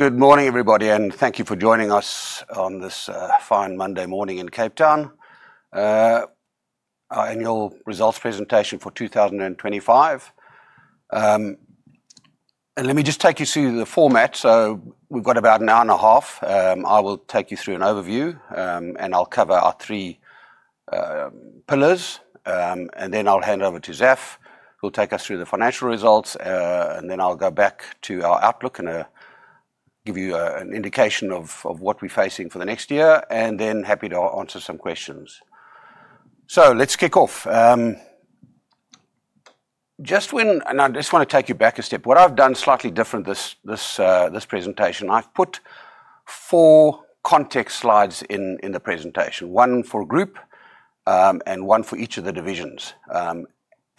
Good morning, everybody, and thank you for joining us on this fine Monday morning in Cape Town. Our Annual Results Presentation for 2025. Let me just take you through the format. We have about an hour and a half. I will take you through an overview, and I'll cover our three pillars, and then I'll hand over to Zaf, who'll take us through the financial results, and then I'll go back to our outlook and give you an indication of what we're facing for the next year, and then happy to answer some questions. Let's kick off. I just want to take you back a step. What I've done slightly different this presentation, I've put four context slides in the presentation, one for Group and one for each of the divisions.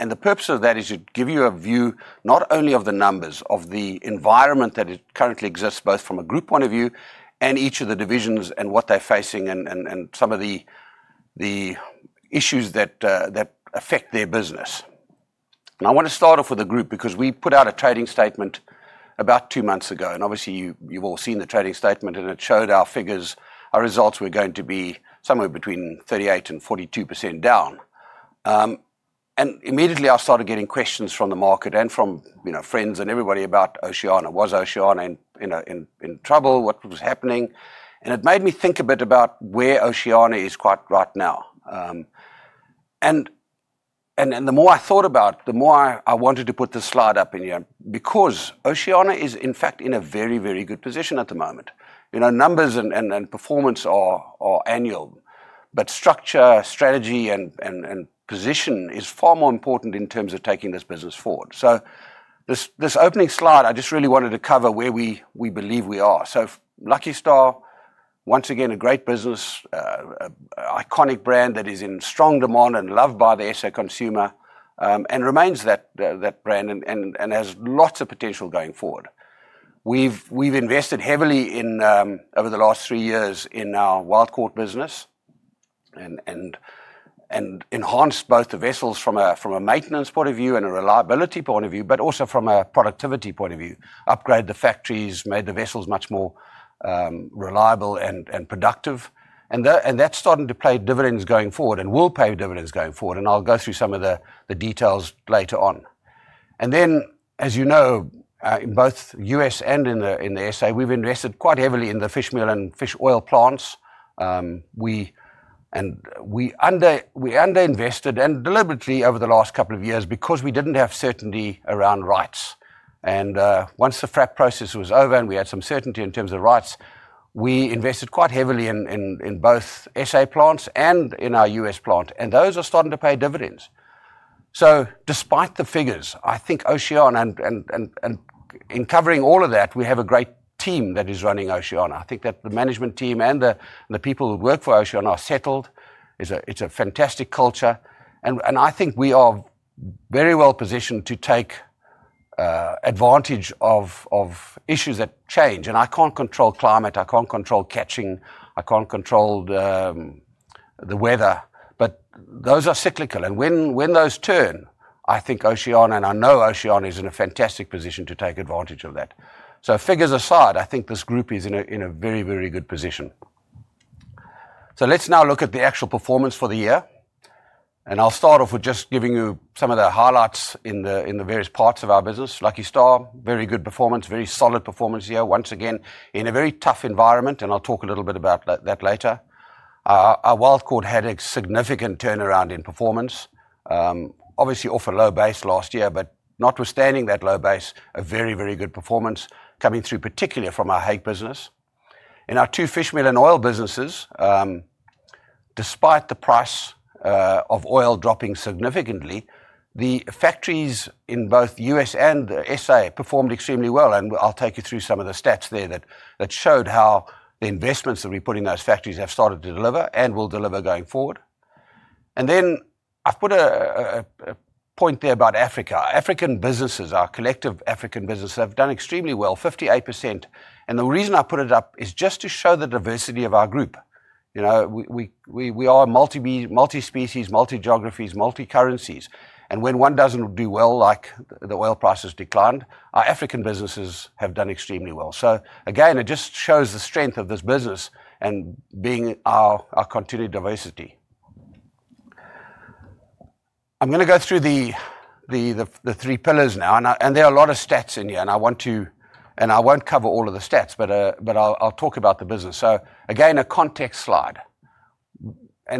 The purpose of that is to give you a view not only of the numbers, of the environment that currently exists, both from a Group point of view and each of the divisions and what they're facing and some of the issues that affect their business. I want to start off with the Group because we put out a trading statement about two months ago, and obviously, you've all seen the trading statement, and it showed our figures, our results were going to be somewhere between 38% and 42% down. Immediately, I started getting questions from the market and from friends and everybody about Oceana, was Oceana in trouble, what was happening. It made me think a bit about where Oceana is quite right now. The more I thought about it, the more I wanted to put this slide up in here because Oceana is, in fact, in a very, very good position at the moment. Numbers and performance are annual, but structure, strategy, and position is far more important in terms of taking this business forward. This opening slide, I just really wanted to cover where we believe we are. Lucky Star, once again, a great business, iconic brand that is in strong demand and loved by the SO consumer and remains that brand and has lots of potential going forward. We've invested heavily over the last three years in our Wild Caught business and enhanced both the vessels from a maintenance point of view and a reliability point of view, but also from a productivity point of view. Upgraded the factories, made the vessels much more reliable and productive. That is starting to pay dividends going forward and will pay dividends going forward. I will go through some of the details later on. As you know, in both the U.S. and in S.A., we have invested quite heavily in the fishmeal and fish oil plants. We underinvested deliberately over the last couple of years because we did not have certainty around rights. Once the FRAP process was over and we had some certainty in terms of rights, we invested quite heavily in both S.A. plants and in our U.S. plant. Those are starting to pay dividends. Despite the figures, I think Oceana, and in covering all of that, we have a great team that is running Oceana. I think that the management team and the people who work for Oceana are settled. It is a fantastic culture. I think we are very well positioned to take advantage of issues that change. I can't control climate, I can't control catching, I can't control the weather, but those are cyclical. When those turn, I think Oceana and I know Oceana is in a fantastic position to take advantage of that. Figures aside, I think this Group is in a very, very good position. Let's now look at the actual performance for the year. I'll start off with just giving you some of the highlights in the various parts of our business. Lucky Star, very good performance, very solid performance here, once again, in a very tough environment, and I'll talk a little bit about that later. Our Wild Caught had a significant turnaround in performance. Obviously, off a low base last year, but notwithstanding that low base, a very, very good performance coming through, particularly from our Hake business. In our two fishmeal and oil businesses, despite the price of oil dropping significantly, the factories in both U.S. and South Africa performed extremely well. I will take you through some of the stats there that showed how the investments that we put in those factories have started to deliver and will deliver going forward. I have put a point there about Africa. African businesses, our collective African businesses, have done extremely well, 58%. The reason I put it up is just to show the diversity of our Group. We are multi-species, multi-geographies, multi-currencies. When one does not do well, like the oil prices declined, our African businesses have done extremely well. It just shows the strength of this business and being our continued diversity. I'm going to go through the three pillars now. There are a lot of stats in here, and I won't cover all of the stats, but I'll talk about the business. A context slide.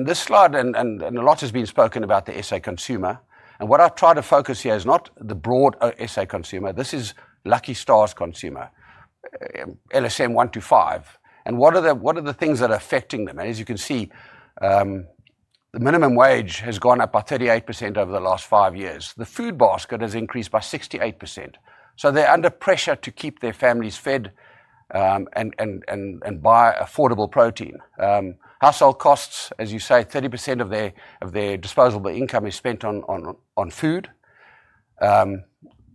This slide, and a lot has been spoken about the S.A. consumer. What I try to focus here is not the broad S.A. consumer. This is Lucky Star's consumer, LSM-125. What are the things that are affecting them? As you can see, the minimum wage has gone up by 38% over the last five years. The food basket has increased by 68%. They're under pressure to keep their families fed and buy affordable protein. Household costs, as you say, 30% of their disposable income is spent on food.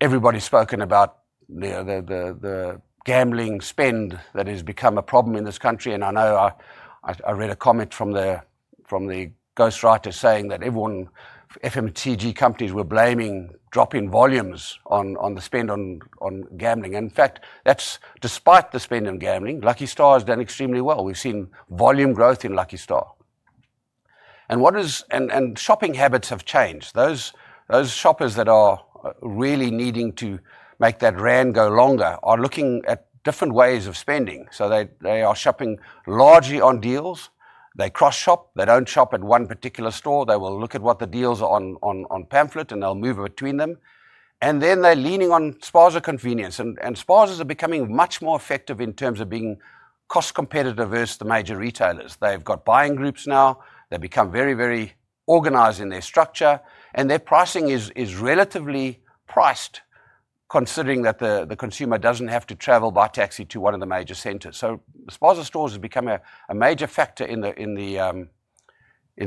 Everybody's spoken about the gambling spend that has become a problem in this country. I know I read a comment from the ghostwriter saying that FMCG companies were blaming drop in volumes on the spend on gambling. In fact, despite the spend on gambling, Lucky Star has done extremely well. We've seen volume growth in Lucky Star. Shopping habits have changed. Those shoppers that are really needing to make that ZAR go longer are looking at different ways of spending. They are shopping largely on deals. They cross-shop. They don't shop at one particular store. They will look at what the deals are on pamphlet, and they'll move between them. They're leaning on spaza convenience. Spaza are becoming much more effective in terms of being cost-competitive versus the major retailers. They've got buying groups now. They've become very, very organized in their structure. Their pricing is relatively priced, considering that the consumer does not have to travel by taxi to one of the major centers. Spaza stores have become a major factor in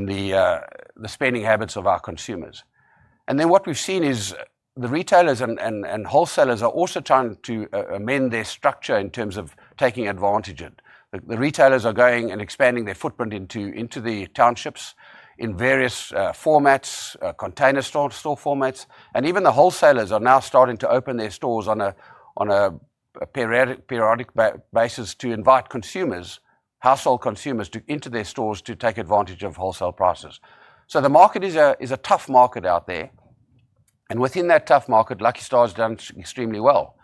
the spending habits of our consumers. What we have seen is the retailers and wholesalers are also trying to amend their structure in terms of taking advantage of it. The retailers are going and expanding their footprint into the townships in various formats, container store formats. Even the wholesalers are now starting to open their stores on a periodic basis to invite consumers, household consumers, into their stores to take advantage of wholesale prices. The market is a tough market out there. Within that tough market, Lucky Star has done extremely well.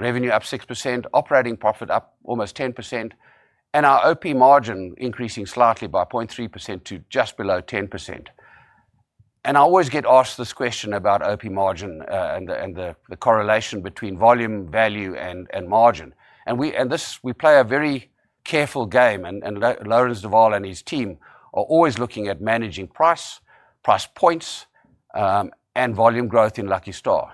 Revenue up 6%, operating profit up almost 10%, and our OP margin increasing slightly by 0.3% to just below 10%. I always get asked this question about OP margin and the correlation between volume, value, and margin. We play a very careful game, and Lawrence Dougall and his team are always looking at managing price, price points, and volume growth in Lucky Star.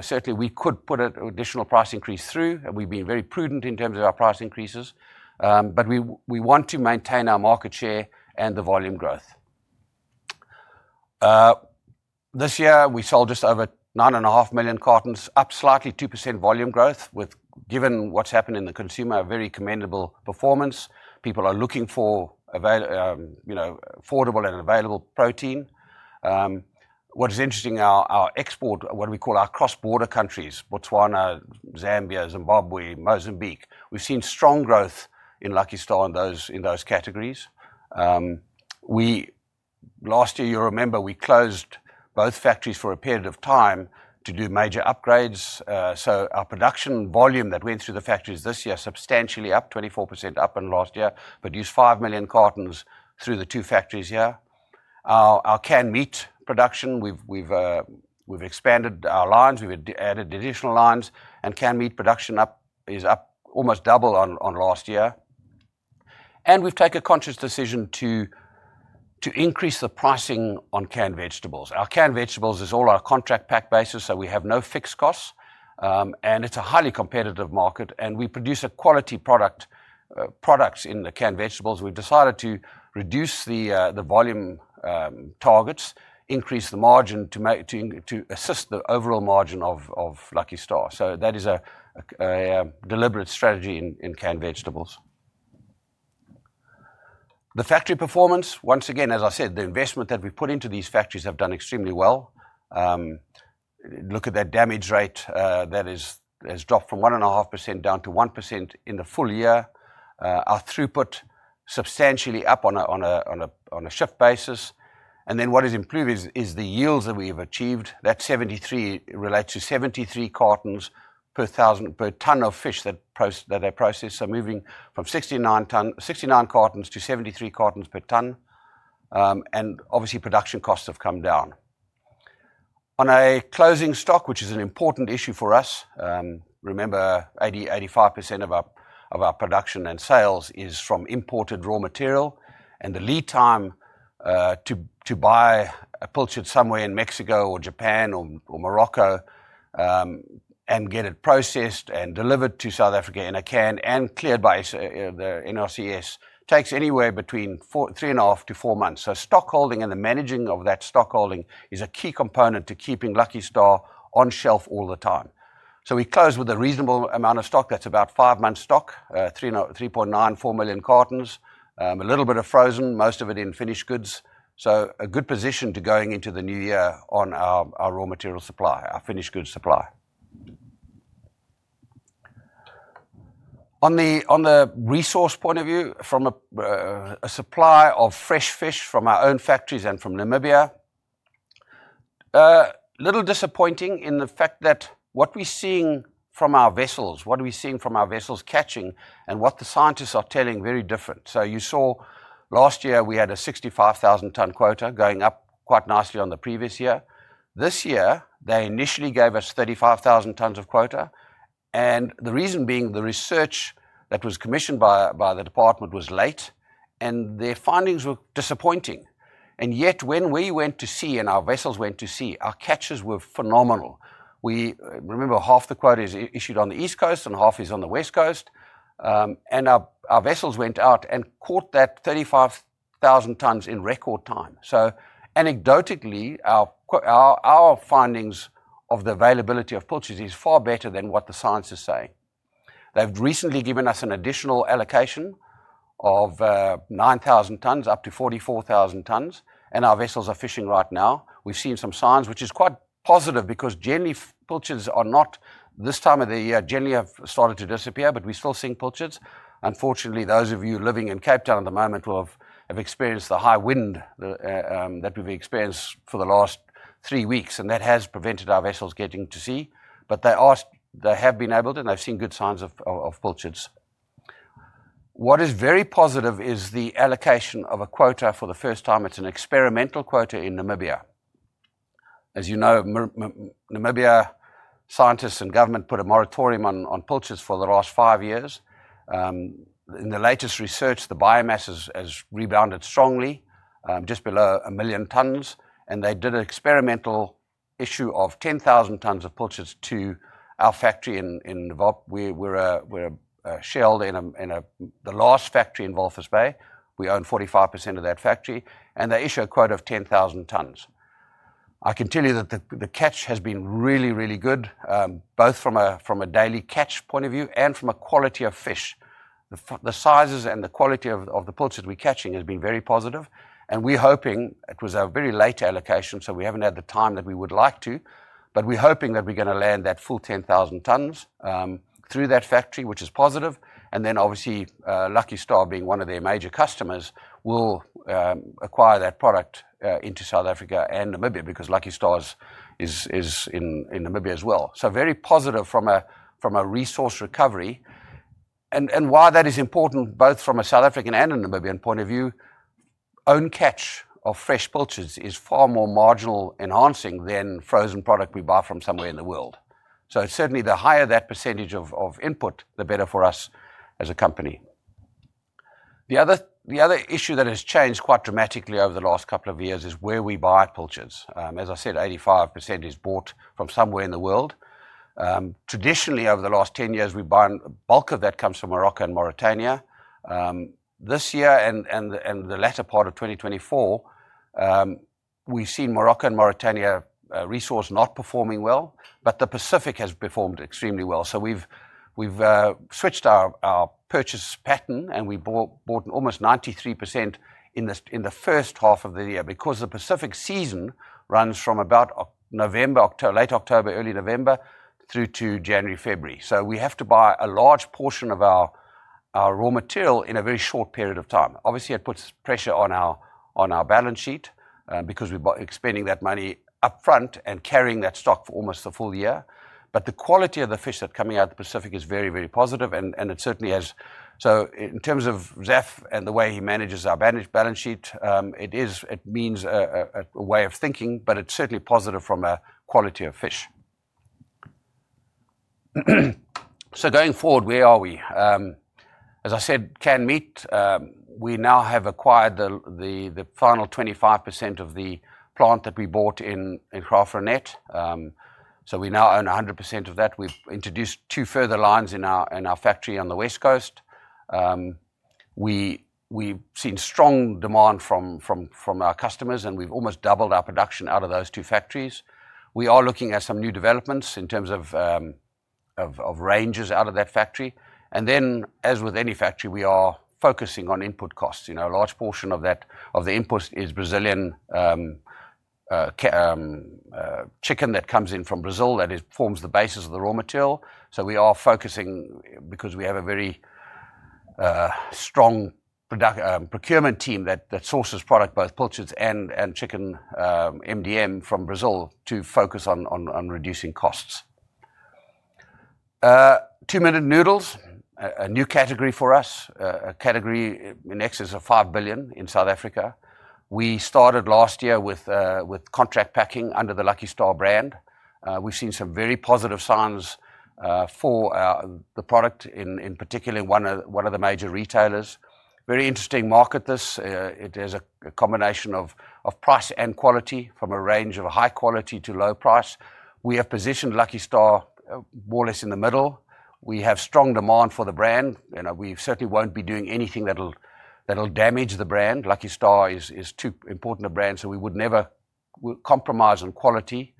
Certainly, we could put an additional price increase through, and we've been very prudent in terms of our price increases, but we want to maintain our market share and the volume growth. This year, we sold just over 9.5 million cartons, up slightly 2% volume growth, given what's happened in the consumer, a very commendable performance. People are looking for affordable and available protein. What is interesting, our export, what we call our cross-border countries, Botswana, Zambia, Zimbabwe, Mozambique, we've seen strong growth in Lucky Star in those categories. Last year, you'll remember, we closed both factories for a period of time to do major upgrades. Our production volume that went through the factories this year is substantially up, 24% up on last year, produced 5 million cartons through the two factories here. Our canned meat production, we've expanded our lines, we've added additional lines, and canned meat production is up almost double on last year. We've taken a conscious decision to increase the pricing on canned vegetables. Our canned vegetables is all on a contract pack basis, so we have no fixed costs, and it's a highly competitive market, and we produce quality products in the canned vegetables. We've decided to reduce the volume targets, increase the margin to assist the overall margin of Lucky Star. That is a deliberate strategy in canned vegetables. The factory performance, once again, as I said, the investment that we put into these factories has done extremely well. Look at that damage rate that has dropped from 1.5% down to 1% in the full year. Our throughput substantially up on a shift basis. What has improved is the yields that we have achieved. That relates to 73 cartons per ton of fish that they process. Moving from 69 cartons to 73 cartons per ton. Obviously, production costs have come down. On a closing stock, which is an important issue for us, remember, 85% of our production and sales is from imported raw material. The lead time to buy a pilchard somewhere in Mexico or Japan or Morocco and get it processed and delivered to South Africa in a can and cleared by the NRCS takes anywhere between three and a half to four months. Stock holding and the managing of that stock holding is a key component to keeping Lucky Star on shelf all the time. We close with a reasonable amount of stock. That's about five months' stock, 3.9 million-4 million cartons, a little bit of frozen, most of it in finished goods. A good position going into the new year on our raw material supply, our finished goods supply. On the resource point of view, from a supply of fresh fish from our own factories and from Namibia, a little disappointing in the fact that what we're seeing from our vessels, what we're seeing from our vessels catching and what the scientists are telling is very different. You saw last year we had a 65,000-ton quota going up quite nicely on the previous year. This year, they initially gave us 35,000 tons of quota. The reason being the research that was commissioned by the department was late, and their findings were disappointing. Yet, when we went to sea and our vessels went to sea, our catches were phenomenal. Remember, half the quota is issued on the East Coast and half is on the West Coast. Our vessels went out and caught that 35,000 tons in record time. Anecdotally, our findings of the availability of pilchard is far better than what the science is saying. They've recently given us an additional allocation of 9,000 tons, up to 44,000 tons, and our vessels are fishing right now. We've seen some signs, which is quite positive because generally pilchards are not, this time of the year, generally have started to disappear, but we still see pilchards. Unfortunately, those of you living in Cape Town at the moment will have experienced the high wind that we've experienced for the last three weeks, and that has prevented our vessels getting to sea. They have been able to, and they've seen good signs of pilchards. What is very positive is the allocation of a quota for the first time. It's an experimental quota in Namibia. As you know, Namibian scientists and government put a moratorium on pilchards for the last five years. In the latest research, the biomass has rebounded strongly, just below 1 million tons. They did an experimental issue of 10,000 tons of pilchards to our factory in Namibia. We are a shareholder in the last factory in Walvis Bay. We own 45% of that factory. They issued a quota of 10,000 tons. I can tell you that the catch has been really, really good, both from a daily catch point of view and from a quality of fish. The sizes and the quality of the pilchard we are catching has been very positive. We're hoping it was a very late allocation, so we haven't had the time that we would like to, but we're hoping that we're going to land that full 10,000 tons through that factory, which is positive. Obviously, Lucky Star being one of their major customers, will acquire that product into South Africa and Namibia because Lucky Star is in Namibia as well. Very positive from a resource recovery. Why that is important, both from a South African and a Namibian point of view, own catch of fresh pilchards is far more margin enhancing than frozen product we buy from somewhere in the world. Certainly, the higher that percentage of input, the better for us as a company. The other issue that has changed quite dramatically over the last couple of years is where we buy pilchards. As I said, 85% is bought from somewhere in the world. Traditionally, over the last 10 years, we buy bulk of that comes from Morocco and Mauritania. This year and the latter part of 2024, we've seen Morocco and Mauritania resource not performing well, but the Pacific has performed extremely well. We have switched our purchase pattern, and we bought almost 93% in the first half of the year because the Pacific season runs from about late October, early November through to January, February. We have to buy a large portion of our raw material in a very short period of time. Obviously, it puts pressure on our balance sheet because we're expending that money upfront and carrying that stock for almost the full year. The quality of the fish that's coming out of the Pacific is very, very positive, and it certainly has. In terms of Zaf and the way he manages our balance sheet, it means a way of thinking, but it's certainly positive from a quality of fish. Going forward, where are we? As I said, canned meat. We now have acquired the final 25% of the plant that we bought in Kraaifontein. We now own 100% of that. We've introduced two further lines in our factory on the West Coast. We've seen strong demand from our customers, and we've almost doubled our production out of those two factories. We are looking at some new developments in terms of ranges out of that factory. As with any factory, we are focusing on input costs. A large portion of the input is Brazilian chicken that comes in from Brazil that forms the basis of the raw material. We are focusing because we have a very strong procurement team that sources product, both pilchards and chicken MDM from Brazil to focus on reducing costs. Two-minute noodles, a new category for us, a category in excess of 5 billion in South Africa. We started last year with contract packing under the Lucky Star brand. We've seen some very positive signs for the product, in particular, one of the major retailers. Very interesting market this. It is a combination of price and quality from a range of high quality to low price. We have positioned Lucky Star more or less in the middle. We have strong demand for the brand. We certainly won't be doing anything that'll damage the brand. Lucky Star is too important a brand, so we would never compromise on quality.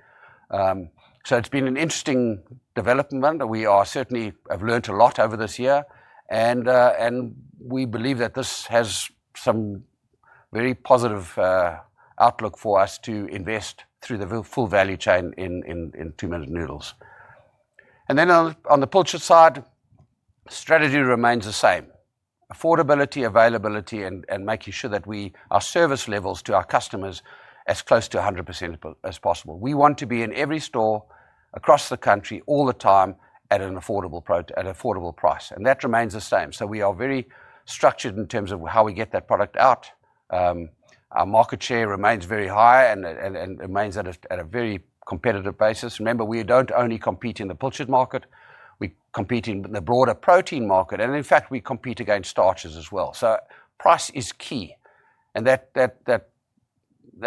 It's been an interesting development. We certainly have learned a lot over this year. We believe that this has some very positive outlook for us to invest through the full value chain in two-minute noodles. On the pilchard side, strategy remains the same. Affordability, availability, and making sure that our service levels to our customers are as close to 100% as possible. We want to be in every store across the country all the time at an affordable price. That remains the same. We are very structured in terms of how we get that product out. Our market share remains very high and remains at a very competitive basis. Remember, we do not only compete in the pilchard market. We compete in the broader protein market. In fact, we compete against starches as well. Price is key. That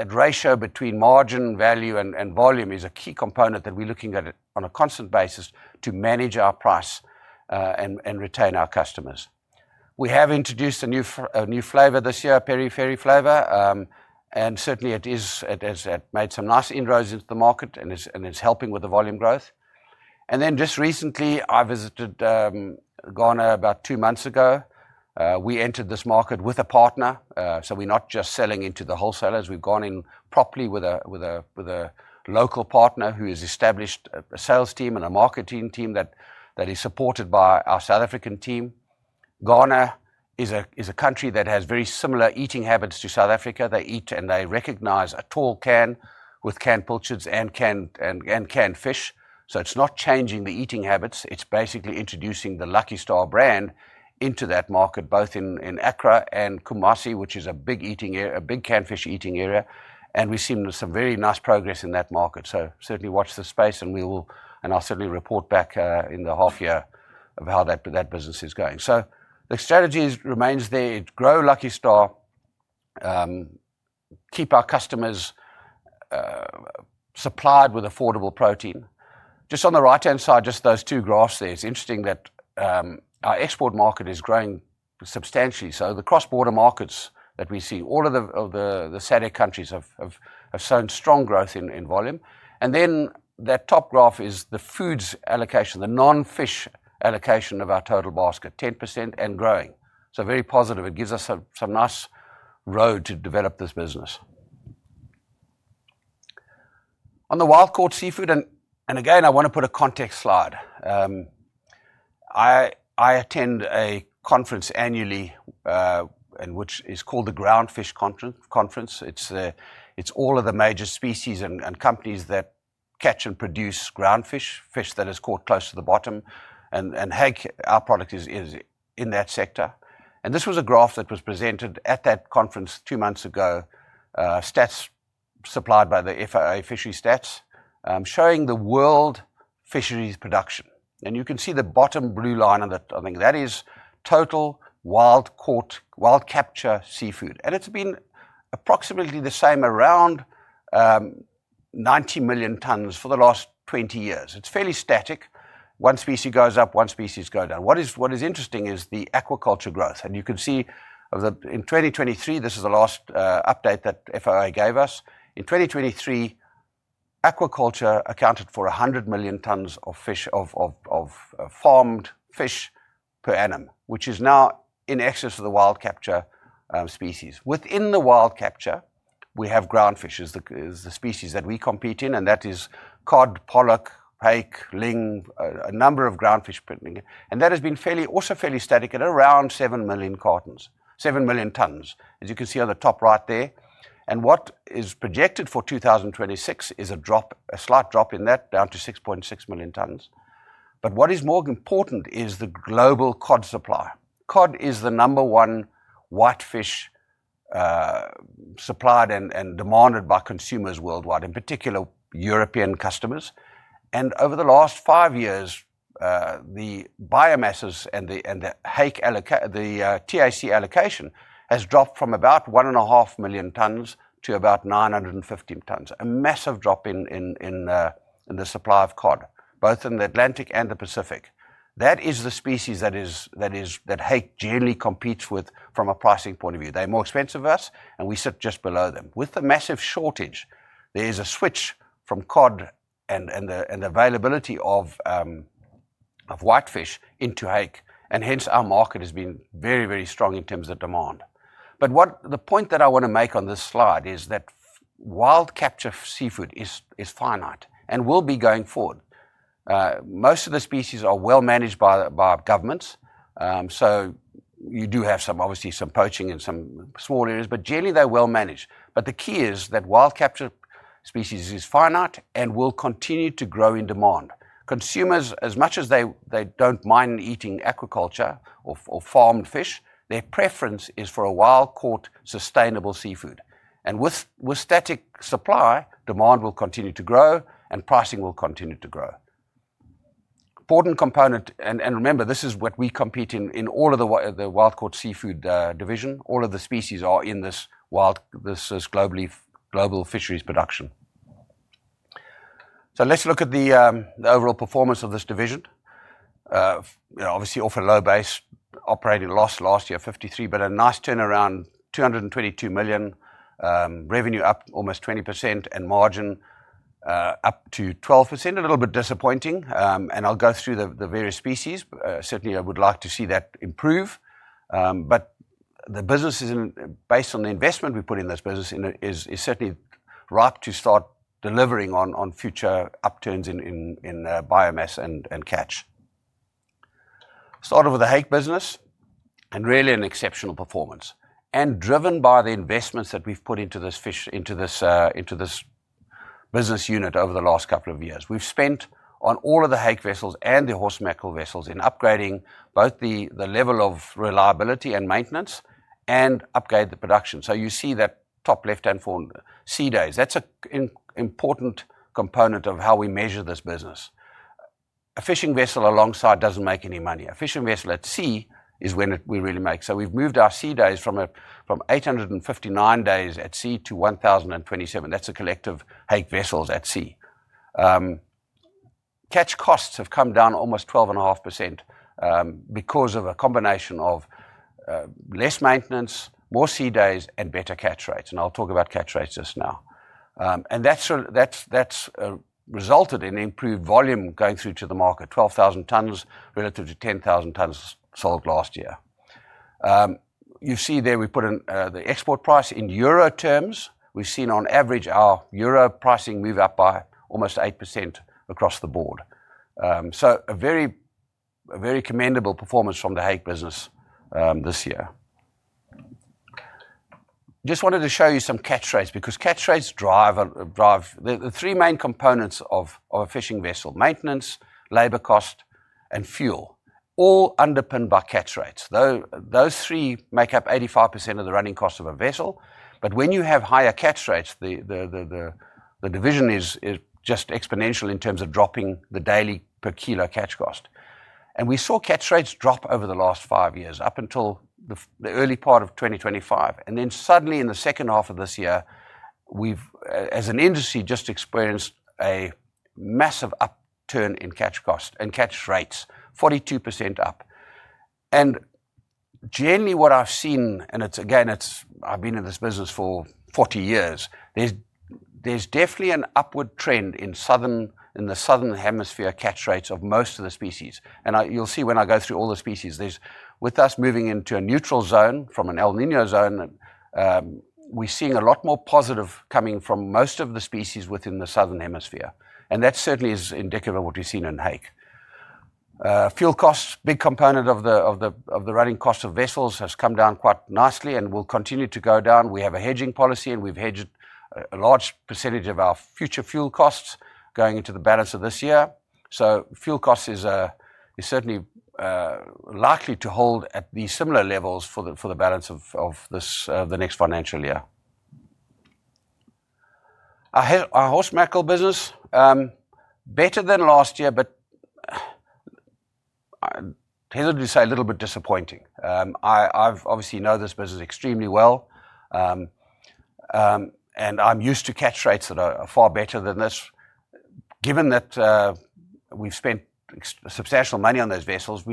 ratio between margin, value, and volume is a key component that we're looking at on a constant basis to manage our price and retain our customers. We have introduced a new flavor this year, Peri-Peri Flavor. It has made some nice inroads into the market and is helping with the volume growth. Just recently, I visited Ghana about two months ago. We entered this market with a partner. We're not just selling into the wholesalers. We've gone in properly with a local partner who has established a sales team and a marketing team that is supported by our South African team. Ghana is a country that has very similar eating habits to South Africa. They eat and they recognize a tall can with canned pilchards and canned fish. It's not changing the eating habits. It's basically introducing the Lucky Star brand into that market, both in Accra and Kumasi, which is a big canned fish eating area. We have seen some very nice progress in that market. Certainly watch the space, and I'll certainly report back in the half year of how that business is going. The strategy remains there. Grow Lucky Star. Keep our customers supplied with affordable protein. Just on the right-hand side, just those two graphs, it's interesting that our export market is growing substantially. The cross-border markets that we see, all of the SADC countries have shown strong growth in volume. That top graph is the foods allocation, the non-fish allocation of our total basket, 10% and growing. Very positive. It gives us some nice road to develop this business. On the Wild Caught Seafood, and again, I want to put a context slide. I attend a conference annually which is called the Groundfish Conference. It is all of the major species and companies that catch and produce groundfish, fish that are caught close to the bottom. Hake, our product, is in that sector. This was a graph that was presented at that conference two months ago, stats supplied by the FAO Fisheries Stats, showing the world fisheries production. You can see the bottom blue line on that. I think that is total wild caught, wild-capture seafood. It has been approximately the same, around 90 million tons for the last 20 years. It is fairly static. One species goes up, one species goes down. What is interesting is the aquaculture growth. You can see in 2023, this is the last update that FAO gave us. In 2023, aquaculture accounted for 100 million tons of farmed fish per annum, which is now in excess of the wild-capture species. Within the wild-capture, we have groundfish as the species that we compete in, and that is cod, pollock, hake, ling, a number of groundfish. That has been also fairly static at around 7 million cartons, 7 million tons, as you can see on the top right there. What is projected for 2026 is a slight drop in that, down to 6.6 million tons. What is more important is the global cod supply. Cod is the number one whitefish supplied and demanded by consumers worldwide, in particular, European customers. Over the last five years, the biomasses and the TAC allocation has dropped from about 1.5 million tons to about 950,000 tons. A massive drop in the supply of cod, both in the Atlantic and the Pacific. That is the species that hake generally competes with from a pricing point of view. They're more expensive than us, and we sit just below them. With the massive shortage, there is a switch from cod and the availability of whitefish into hake. Hence, our market has been very, very strong in terms of demand. The point that I want to make on this slide is that wild-capture seafood is finite and will be going forward. Most of the species are well-managed by governments. You do have, obviously, some poaching in some small areas, but generally, they're well-managed. The key is that wild-capture species is finite and will continue to grow in demand. Consumers, as much as they don't mind eating aquaculture or farmed fish, their preference is for a wild-caught sustainable seafood. With static supply, demand will continue to grow, and pricing will continue to grow. Important component, and remember, this is what we compete in all of the Wild Caught Seafood division. All of the species are in this global fisheries production. Let's look at the overall performance of this division. Obviously, off a low base, operating loss last year, 53 million, but a nice turnaround, 222 million, revenue up almost 20%, and margin up to 12%, a little bit disappointing. I'll go through the various species. Certainly, I would like to see that improve. The business is based on the investment we put in this business, is certainly ripe to start delivering on future upturns in biomass and catch. Started with the Hake business, and really an exceptional performance, and driven by the investments that we've put into this business unit over the last couple of years. We've spent on all of the hake vessels and the horse mackerel vessels in upgrading both the level of reliability and maintenance and upgrade the production. You see that top left-hand sea days. That's an important component of how we measure this business. A fishing vessel alongside doesn't make any money. A fishing vessel at sea is when we really make. We've moved our sea days from 859 days at sea to 1,027. That's a collective hake vessels at sea. Catch costs have come down almost 12.5% because of a combination of less maintenance, more sea days, and better catch rates. I'll talk about catch rates just now. That's resulted in improved volume going through to the market, 12,000 tons relative to 10,000 tons sold last year. You see there we put in the export price in euro terms. We've seen on average our euro pricing move up by almost 8% across the board. A very commendable performance from the Hake business this year. I just wanted to show you some catch rates because catch rates drive the three main components of a fishing vessel: maintenance, labor cost, and fuel, all underpinned by catch rates. Those three make up 85% of the running cost of a vessel. When you have higher catch rates, the division is just exponential in terms of dropping the daily per kilo catch cost. We saw catch rates drop over the last five years, up until the early part of 2025. Suddenly, in the second half of this year, we've, as an industry, just experienced a massive upturn in catch cost and catch rates, 42% up. Generally, what I've seen, and again, I've been in this business for 40 years, there's definitely an upward trend in the southern hemisphere catch rates of most of the species. You'll see when I go through all the species, with us moving into a neutral zone from an El Niño zone, we're seeing a lot more positive coming from most of the species within the southern hemisphere. That certainly is indicative of what we've seen in hake. Fuel costs, big component of the running cost of vessels, has come down quite nicely and will continue to go down. We have a hedging policy, and we've hedged a large percentage of our future fuel costs going into the balance of this year. Fuel costs is certainly likely to hold at the similar levels for the balance of the next financial year. Our Horse mackerel business, better than last year, but hesitant to say a little bit disappointing. I obviously know this business extremely well, and I'm used to catch rates that are far better than this. Given that we've spent substantial money on those vessels,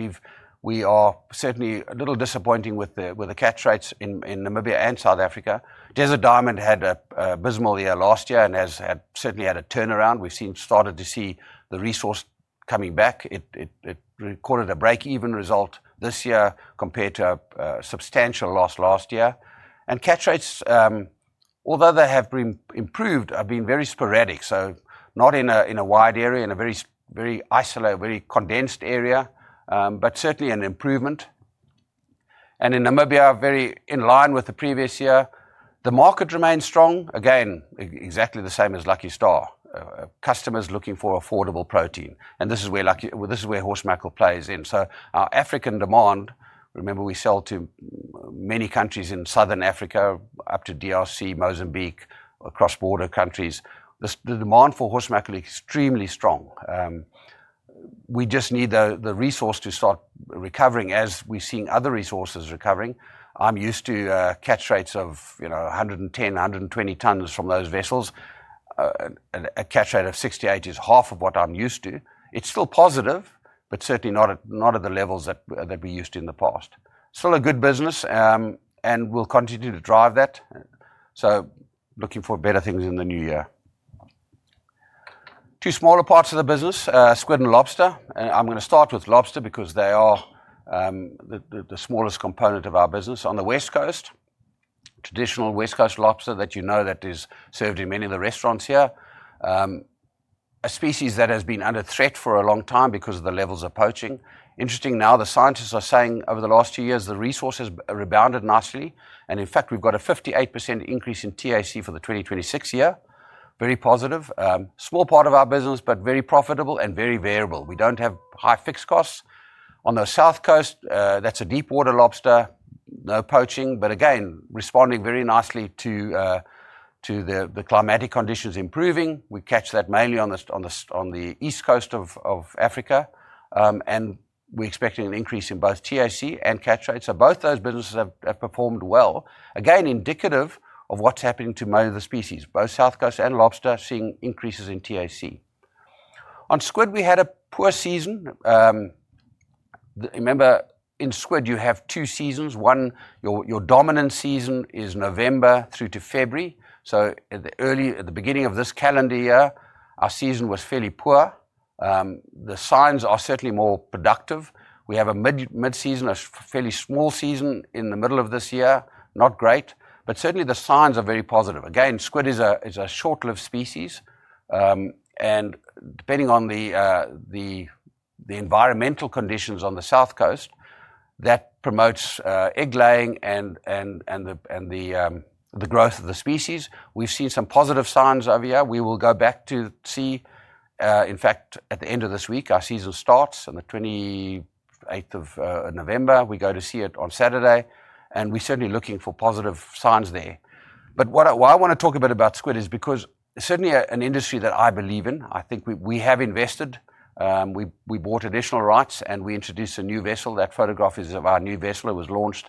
we are certainly a little disappointing with the catch rates in Namibia and South Africa. Desert Diamond had an abysmal year last year and has certainly had a turnaround. We've started to see the resource coming back. It recorded a break-even result this year compared to a substantial loss last year. Catch rates, although they have improved, have been very sporadic. Not in a wide area, in a very isolated, very condensed area, but certainly an improvement. In Namibia, very in line with the previous year, the market remains strong. Exactly the same as Lucky Star. Customers looking for affordable protein. This is where Horse mackerel plays in. Our African demand, remember, we sell to many countries in southern Africa, up to DRC, Mozambique, across border countries. The demand for Horse mackerel is extremely strong. We just need the resource to start recovering as we are seeing other resources recovering. I am used to catch rates of 110, 120 tons from those vessels. A catch rate of 68 is half of what I am used to. It is still positive, but certainly not at the levels that we used to in the past. Still a good business, and we will continue to drive that. Looking for better things in the new year. Two smaller parts of the business, Squid and Lobster. I'm going to start with lobster because they are the smallest component of our business on the West Coast. Traditional West Coast lobster that you know that is served in many of the restaurants here. A species that has been under threat for a long time because of the levels of poaching. Interesting now, the scientists are saying over the last two years, the resource has rebounded nicely. In fact, we've got a 58% increase in TAC for the 2026 year. Very positive. Small part of our business, but very profitable and very variable. We don't have high fixed costs. On the South Coast, that's a deep-water lobster, no poaching. Again, responding very nicely to the climatic conditions improving. We catch that mainly on the East Coast of Africa. We are expecting an increase in both TAC and catch rates. Both those businesses have performed well. Again, indicative of what is happening to many of the species, both South Coast and lobster, seeing increases in TAC. On Squid, we had a poor season. Remember, in squid, you have two seasons. One, your dominant season is November through to February. At the beginning of this calendar year, our season was fairly poor. The signs are certainly more productive. We have a mid-season, a fairly small season in the middle of this year, not great. Certainly, the signs are very positive. Again, squid is a short-lived species. Depending on the environmental conditions on the South Coast, that promotes egg-laying and the growth of the species. We have seen some positive signs over here. We will go back to see, in fact, at the end of this week, our season starts on the 28th of November. We go to see it on Saturday. We are certainly looking for positive signs there. What I want to talk a bit about is squid because it's certainly an industry that I believe in. I think we have invested. We bought additional rights, and we introduced a new vessel. That photograph is of our new vessel. It was launched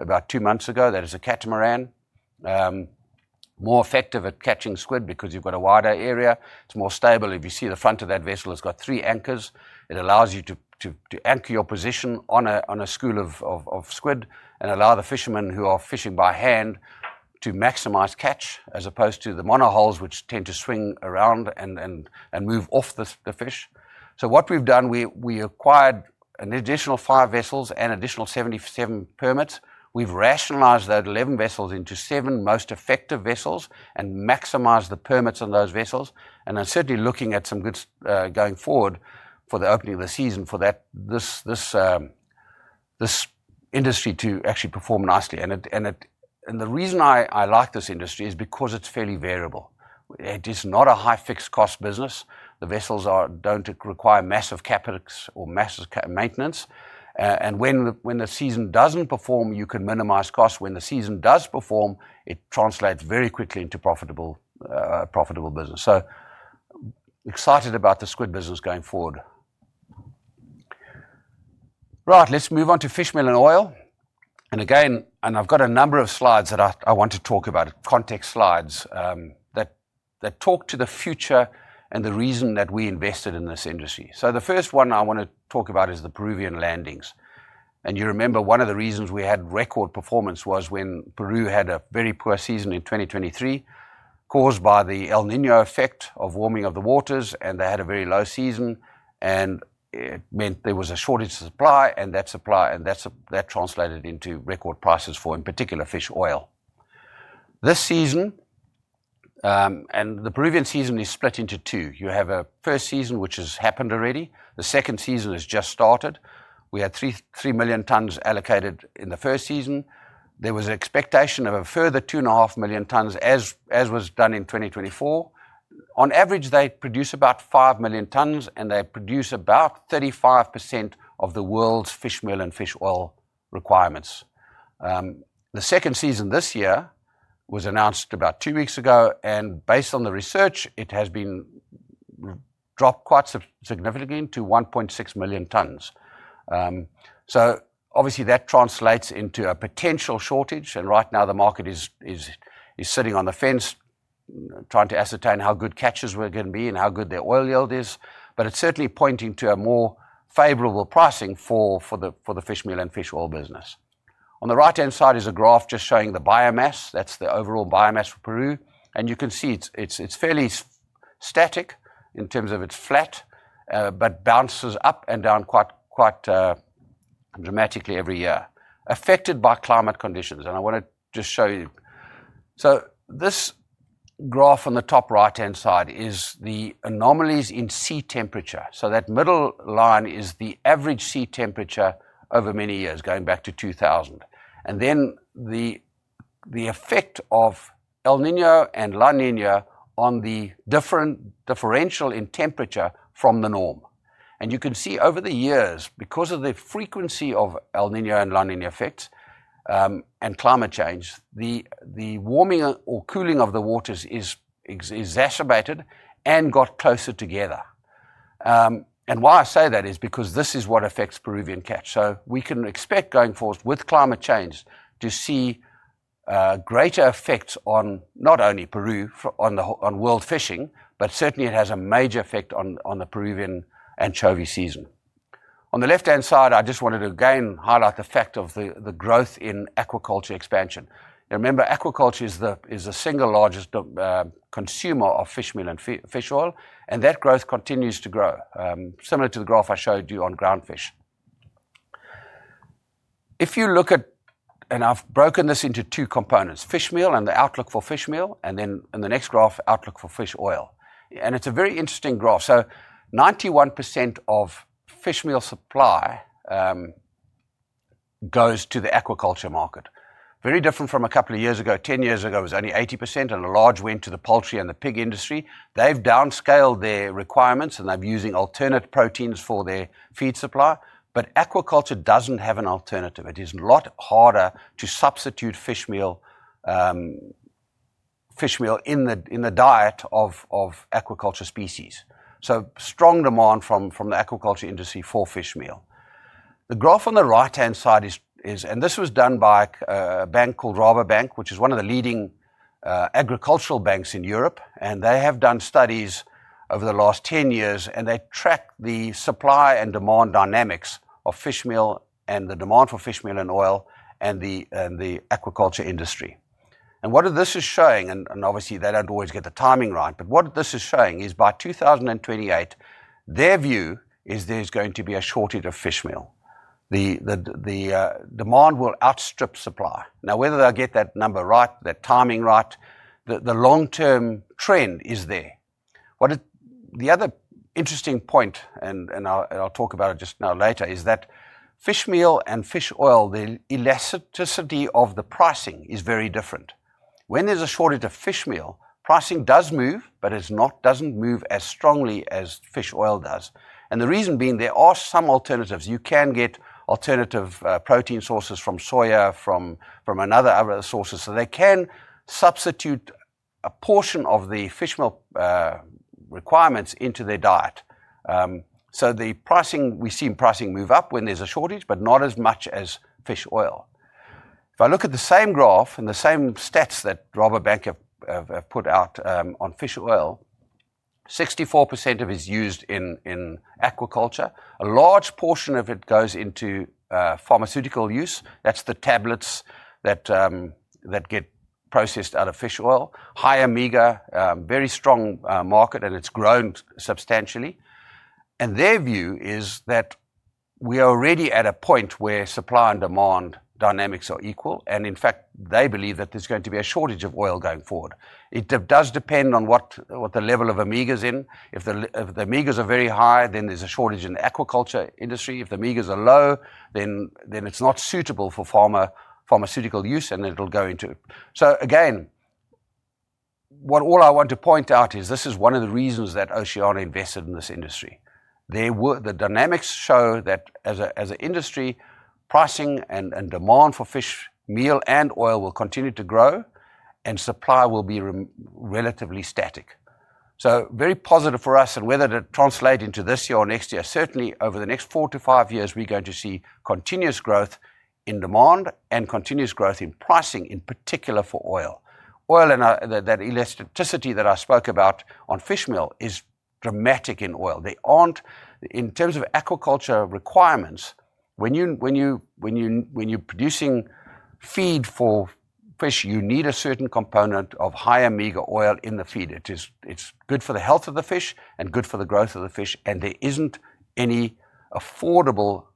about two months ago. That is a catamaran, more effective at catching squid because you've got a wider area. It's more stable. If you see the front of that vessel, it's got three anchors. It allows you to anchor your position on a school of squid and allow the fishermen who are fishing by hand to maximize catch as opposed to the monohulls, which tend to swing around and move off the fish. What we've done, we acquired an additional five vessels and additional 77 permits. We've rationalized those 11 vessels into seven most effective vessels and maximized the permits on those vessels. I'm certainly looking at some goods going forward for the opening of the season for this industry to actually perform nicely. The reason I like this industry is because it's fairly variable. It is not a high fixed cost business. The vessels don't require massive capital or massive maintenance. When the season doesn't perform, you can minimize costs. When the season does perform, it translates very quickly into a profitable business. Excited about the Squid business going forward. Right, let's move on to Fishmeal and oil. Again, I've got a number of slides that I want to talk about, context slides that talk to the future and the reason that we invested in this industry. The first one I want to talk about is the Peruvian landings. You remember one of the reasons we had record performance was when Peru had a very poor season in 2023, caused by the El Niño effect of warming of the waters. They had a very low season. It meant there was a shortage of supply. That supply translated into record prices for, in particular, fish oil. This season, and the Peruvian season is split into two. You have a first season, which has happened already. The second season has just started. We had 3 million tons allocated in the first season. There was an expectation of a further 2.5 million tons, as was done in 2024. On average, they produce about 5 million tons, and they produce about 35% of the world's fishmeal and fish oil requirements. The second season this year was announced about two weeks ago. Based on the research, it has been dropped quite significantly to 1.6 million tons. Obviously, that translates into a potential shortage. Right now, the market is sitting on the fence, trying to ascertain how good catches were going to be and how good their oil yield is. It is certainly pointing to a more favorable pricing for the Fishmeal and fish oil business. On the right-hand side is a graph just showing the biomass. That is the overall biomass for Peru. You can see it is fairly static in terms of it is flat, but bounces up and down quite dramatically every year, affected by climate conditions. I want to just show you. This graph on the top right-hand side is the anomalies in sea temperature. That middle line is the average sea temperature over many years, going back to 2000. The effect of El Niño and La Niña on the differential in temperature from the norm, you can see over the years, because of the frequency of El Niño and La Niña effects and climate change, the warming or cooling of the waters is exacerbated and got closer together. Why I say that is because this is what affects Peruvian catch. We can expect going forward with climate change to see greater effects on not only Peru, on world fishing, but certainly it has a major effect on the Peruvian anchovy season. On the left-hand side, I just wanted to again highlight the fact of the growth in aquaculture expansion. Remember, aquaculture is the single largest consumer of Fishmeal and fish oil. That growth continues to grow, similar to the graph I showed you on ground fish. If you look at, and I've broken this into two components, fishmeal and the outlook for fishmeal, and then in the next graph, outlook for fish oil. It's a very interesting graph. 91% of fishmeal supply goes to the aquaculture market. Very different from a couple of years ago. Ten years ago, it was only 80%, and a large went to the poultry and the pig industry. They've downscaled their requirements, and they're using alternate proteins for their feed supply. Aquaculture doesn't have an alternative. It is a lot harder to substitute fishmeal in the diet of aquaculture species. Strong demand from the aquaculture industry for fishmeal. The graph on the right-hand side is, and this was done by a bank called Rabobank, which is one of the leading agricultural banks in Europe. They have done studies over the last 10 years, and they track the supply and demand dynamics of fishmeal and the demand for fishmeal and oil and the aquaculture industry. What this is showing, and obviously, they do not always get the timing right, but what this is showing is by 2028, their view is there is going to be a shortage of fishmeal. The demand will outstrip supply. Now, whether they will get that number right, that timing right, the long-term trend is there. The other interesting point, and I will talk about it just now later, is that fishmeal and fish oil, the elasticity of the pricing is very different. When there's a shortage of fishmeal, pricing does move, but it doesn't move as strongly as fish oil does. The reason being, there are some alternatives. You can get alternative protein sources from soya, from another source. They can substitute a portion of the fishmeal requirements into their diet. We see pricing move up when there's a shortage, but not as much as fish oil. If I look at the same graph and the same stats that Rabobank have put out on fish oil, 64% of it is used in aquaculture. A large portion of it goes into pharmaceutical use. That's the tablets that get processed out of fish oil. High omega, very strong market, and it's grown substantially. Their view is that we are already at a point where supply and demand dynamics are equal. In fact, they believe that there's going to be a shortage of oil going forward. It does depend on what the level of omega is in. If the omega is very high, then there's a shortage in the aquaculture industry. If the omega is low, then it's not suitable for pharmaceutical use, and it'll go into. What I want to point out is this is one of the reasons that Oceana invested in this industry. The dynamics show that as an industry, pricing and demand for fishmeal and oil will continue to grow, and supply will be relatively static. Very positive for us. Whether to translate into this year or next year, certainly over the next four to five years, we're going to see continuous growth in demand and continuous growth in pricing, in particular for oil. Oil and that elasticity that I spoke about on fishmeal is dramatic in oil. In terms of aquaculture requirements, when you're producing feed for fish, you need a certain component of high omega oil in the feed. It's good for the health of the fish and good for the growth of the fish. There isn't any affordable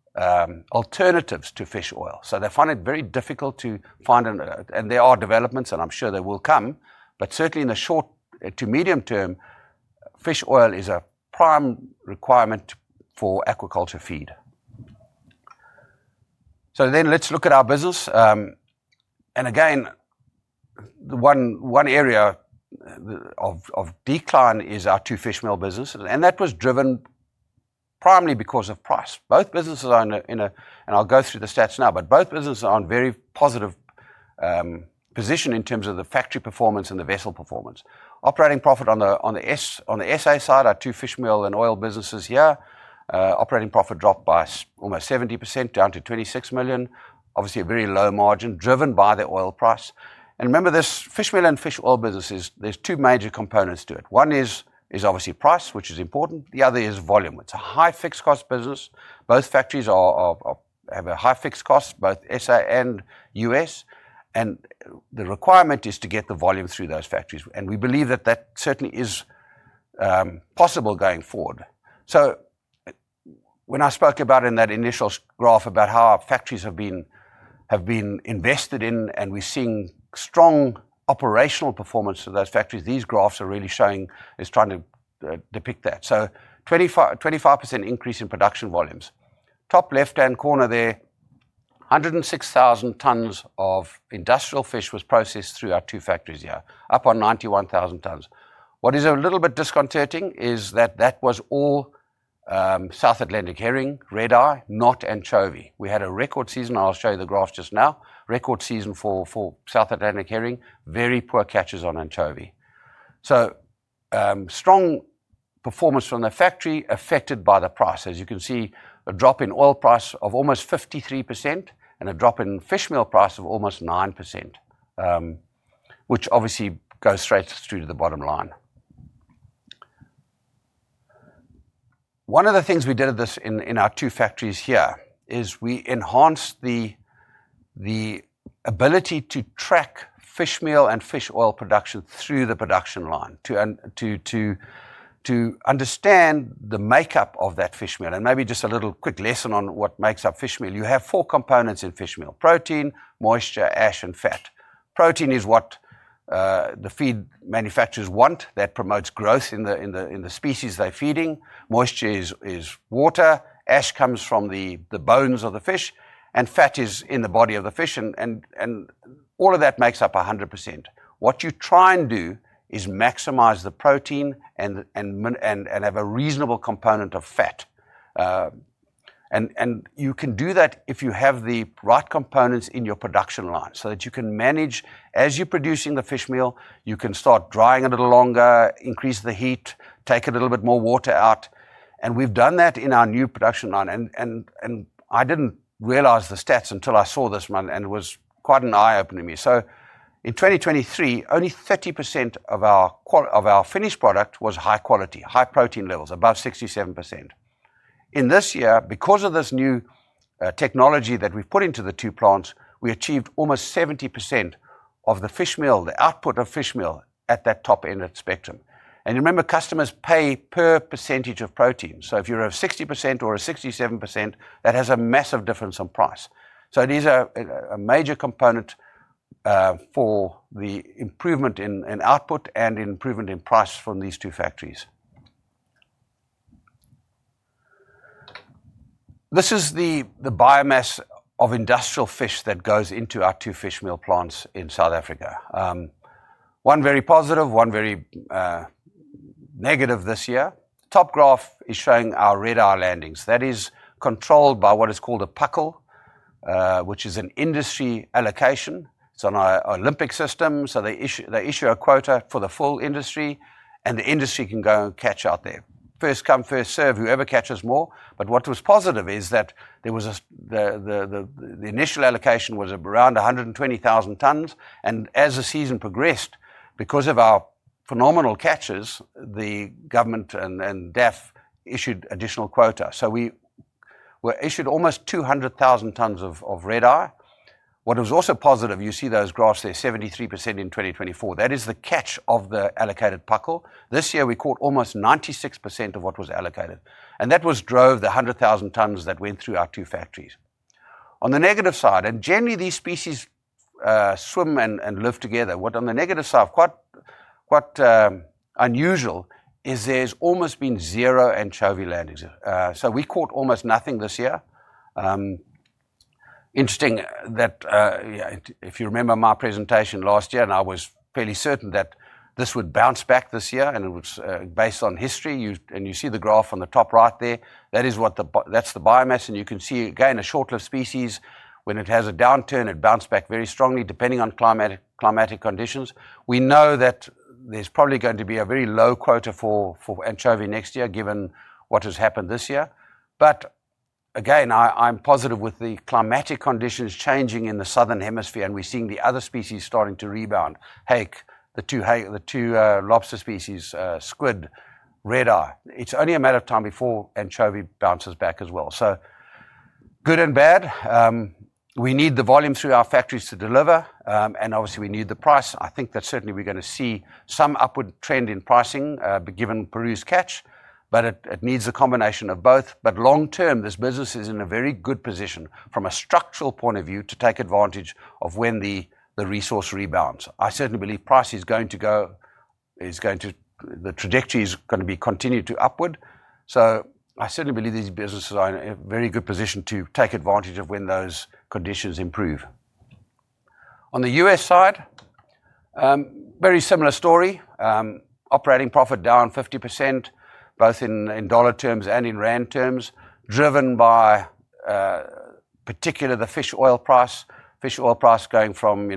alternatives to fish oil. They find it very difficult to find, and there are developments, and I'm sure there will come. Certainly in the short to medium term, fish oil is a prime requirement for aquaculture feed. Let's look at our business. Again, one area of decline is our two Fishmeal business. That was driven primarily because of price. Both businesses are in a, and I'll go through the stats now, but both businesses are in a very positive position in terms of the factory performance and the vessel performance. Operating profit on the S.A. side are two Fishmeal and oil businesses here. Operating profit dropped by almost 70% down to 26 million. Obviously, a very low margin driven by the oil price. Remember, this Fishmeal and fish oil business, there's two major components to it. One is obviously price, which is important. The other is volume. It's a high fixed cost business. Both factories have a high fixed cost, both S.A. and U.S. The requirement is to get the volume through those factories. We believe that that certainly is possible going forward. When I spoke about in that initial graph about how our factories have been invested in and we're seeing strong operational performance of those factories, these graphs are really showing is trying to depict that. A 25% increase in production volumes. Top left-hand corner there, 106,000 tons of industrial fish was processed through our two factories here, up on 91,000 tons. What is a little bit disconcerting is that that was all South Atlantic herring, red eye, not anchovy. We had a record season. I'll show you the graph just now. Record season for South Atlantic herring, very poor catches on anchovy. Strong performance from the factory affected by the price. As you can see, a drop in oil price of almost 53% and a drop in fishmeal price of almost 9%, which obviously goes straight through to the bottom line. One of the things we did in our two factories here is we enhanced the ability to track fishmeal and fish oil production through the production line to understand the makeup of that fishmeal. Maybe just a little quick lesson on what makes up fishmeal. You have four components in fishmeal: protein, moisture, ash, and fat. Protein is what the feed manufacturers want that promotes growth in the species they're feeding. Moisture is water. Ash comes from the bones of the fish. Fat is in the body of the fish. All of that makes up 100%. What you try and do is maximize the protein and have a reasonable component of fat. You can do that if you have the right components in your production line so that you can manage as you're producing the fishmeal, you can start drying a little longer, increase the heat, take a little bit more water out. We have done that in our new production line. I did not realize the stats until I saw this one. It was quite an eye-opener to me. In 2023, only 30% of our finished product was high quality, high protein levels, above 67%. In this year, because of this new technology that we have put into the two plants, we achieved almost 70% of the fishmeal, the output of fishmeal at that top-ended spectrum. Remember, customers pay per percentage of protein. If you are a 60% or a 67%, that has a massive difference on price. These are a major component for the improvement in output and improvement in price from these two factories. This is the biomass of industrial fish that goes into our two fishmeal plants in South Africa. One very positive, one very negative this year. Top graph is showing our red eye landings. That is controlled by what is called a puckle, which is an industry allocation. It is on our Olympic system. They issue a quota for the full industry. The industry can go and catch out there. First come, first serve, whoever catches more. What was positive is that the initial allocation was around 120,000 tons. As the season progressed, because of our phenomenal catches, the government and DAFF issued additional quota. We were issued almost 200,000 tons of red eye. What was also positive, you see those graphs there, 73% in 2024. That is the catch of the allocated puckle. This year, we caught almost 96% of what was allocated. That drove the 100,000 tons that went through our two factories. On the negative side, and generally, these species swim and live together. What, on the negative side, is quite unusual is there's almost been zero anchovy landings. We caught almost nothing this year. Interesting that if you remember my presentation last year, I was fairly certain that this would bounce back this year, and it was based on history. You see the graph on the top right there. That's the biomass. You can see, again, a short-lived species. When it has a downturn, it bounces back very strongly, depending on climatic conditions. We know that there's probably going to be a very low quota for anchovy next year, given what has happened this year. Again, I'm positive with the climatic conditions changing in the southern hemisphere, and we're seeing the other species starting to rebound. Hake, the two lobster species, squid, red eye. It's only a matter of time before anchovy bounces back as well. Good and bad. We need the volume through our factories to deliver. Obviously, we need the price. I think that certainly we're going to see some upward trend in pricing, given Peru's catch. It needs a combination of both. Long term, this business is in a very good position from a structural point of view to take advantage of when the resource rebounds. I certainly believe price is going to go, the trajectory is going to be continued to upward. I certainly believe these businesses are in a very good position to take advantage of when those conditions improve. On the U.S. side, very similar story. Operating profit down 50%, both in dollar terms and in rand terms, driven by particularly the fish oil price, fish oil price going from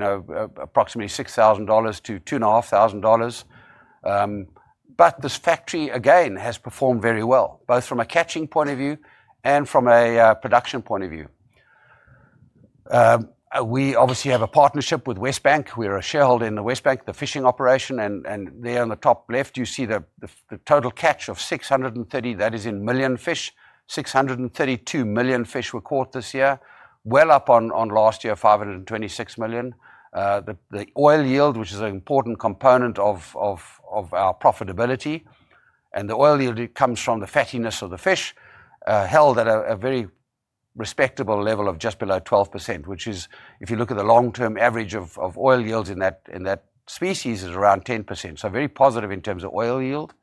approximately $6,000 to $2,500. This factory, again, has performed very well, both from a catching point of view and from a production point of view. We obviously have a partnership with Westbank. We're a shareholder in Westbank, the fishing operation. There on the top left, you see the total catch of 630, that is in million fish, 632 million fish were caught this year, well up on last year, 526 million. The oil yield, which is an important component of our profitability, and the oil yield comes from the fattiness of the fish, held at a very respectable level of just below 12%, which is, if you look at the long-term average of oil yields in that species, is around 10%. Very positive in terms of oil yield.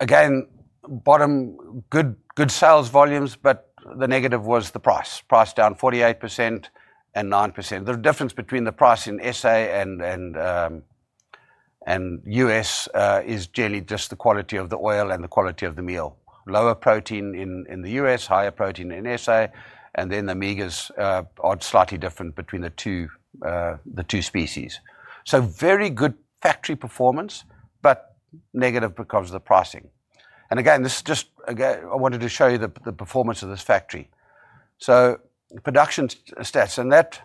Again, bottom, good sales volumes, but the negative was the price. Price down 48% and 9%. The difference between the price in S.A. and U.S. is generally just the quality of the oil and the quality of the meal. Lower protein in the U.S., higher protein in S.A. The omegas are slightly different between the two species. Very good factory performance, but negative because of the pricing. Again, I wanted to show you the performance of this factory. Production stats, and that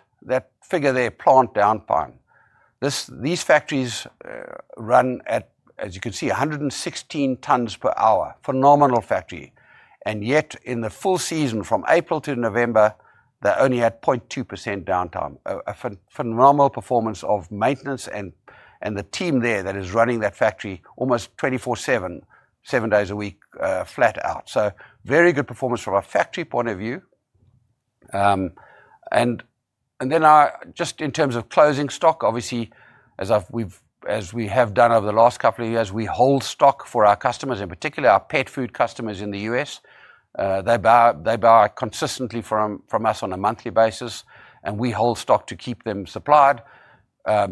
figure there, plant downtime. These factories run at, as you can see, 116 tons per hour, phenomenal factory. Yet, in the full season from April to November, they only had 0.2% downtime. A phenomenal performance of maintenance and the team there that is running that factory almost 24/7, seven days a week, flat out. Very good performance from a factory point of view. Just in terms of closing stock, obviously, as we have done over the last couple of years, we hold stock for our customers, in particular our pet food customers in the U.S. They buy consistently from us on a monthly basis. We hold stock to keep them supplied.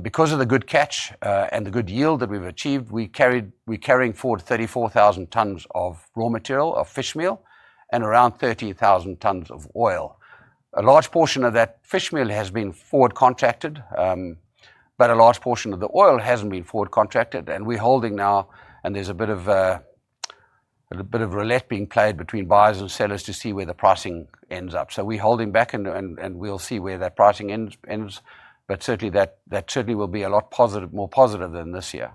Because of the good catch and the good yield that we've achieved, we're carrying forward 34,000 tons of raw material of fishmeal and around 30,000 tons of oil. A large portion of that fishmeal has been forward contracted, but a large portion of the oil has not been forward contracted. We are holding now, and there is a bit of roulette being played between buyers and sellers to see where the pricing ends up. We are holding back, and we will see where that pricing ends. That certainly will be a lot more positive than this year.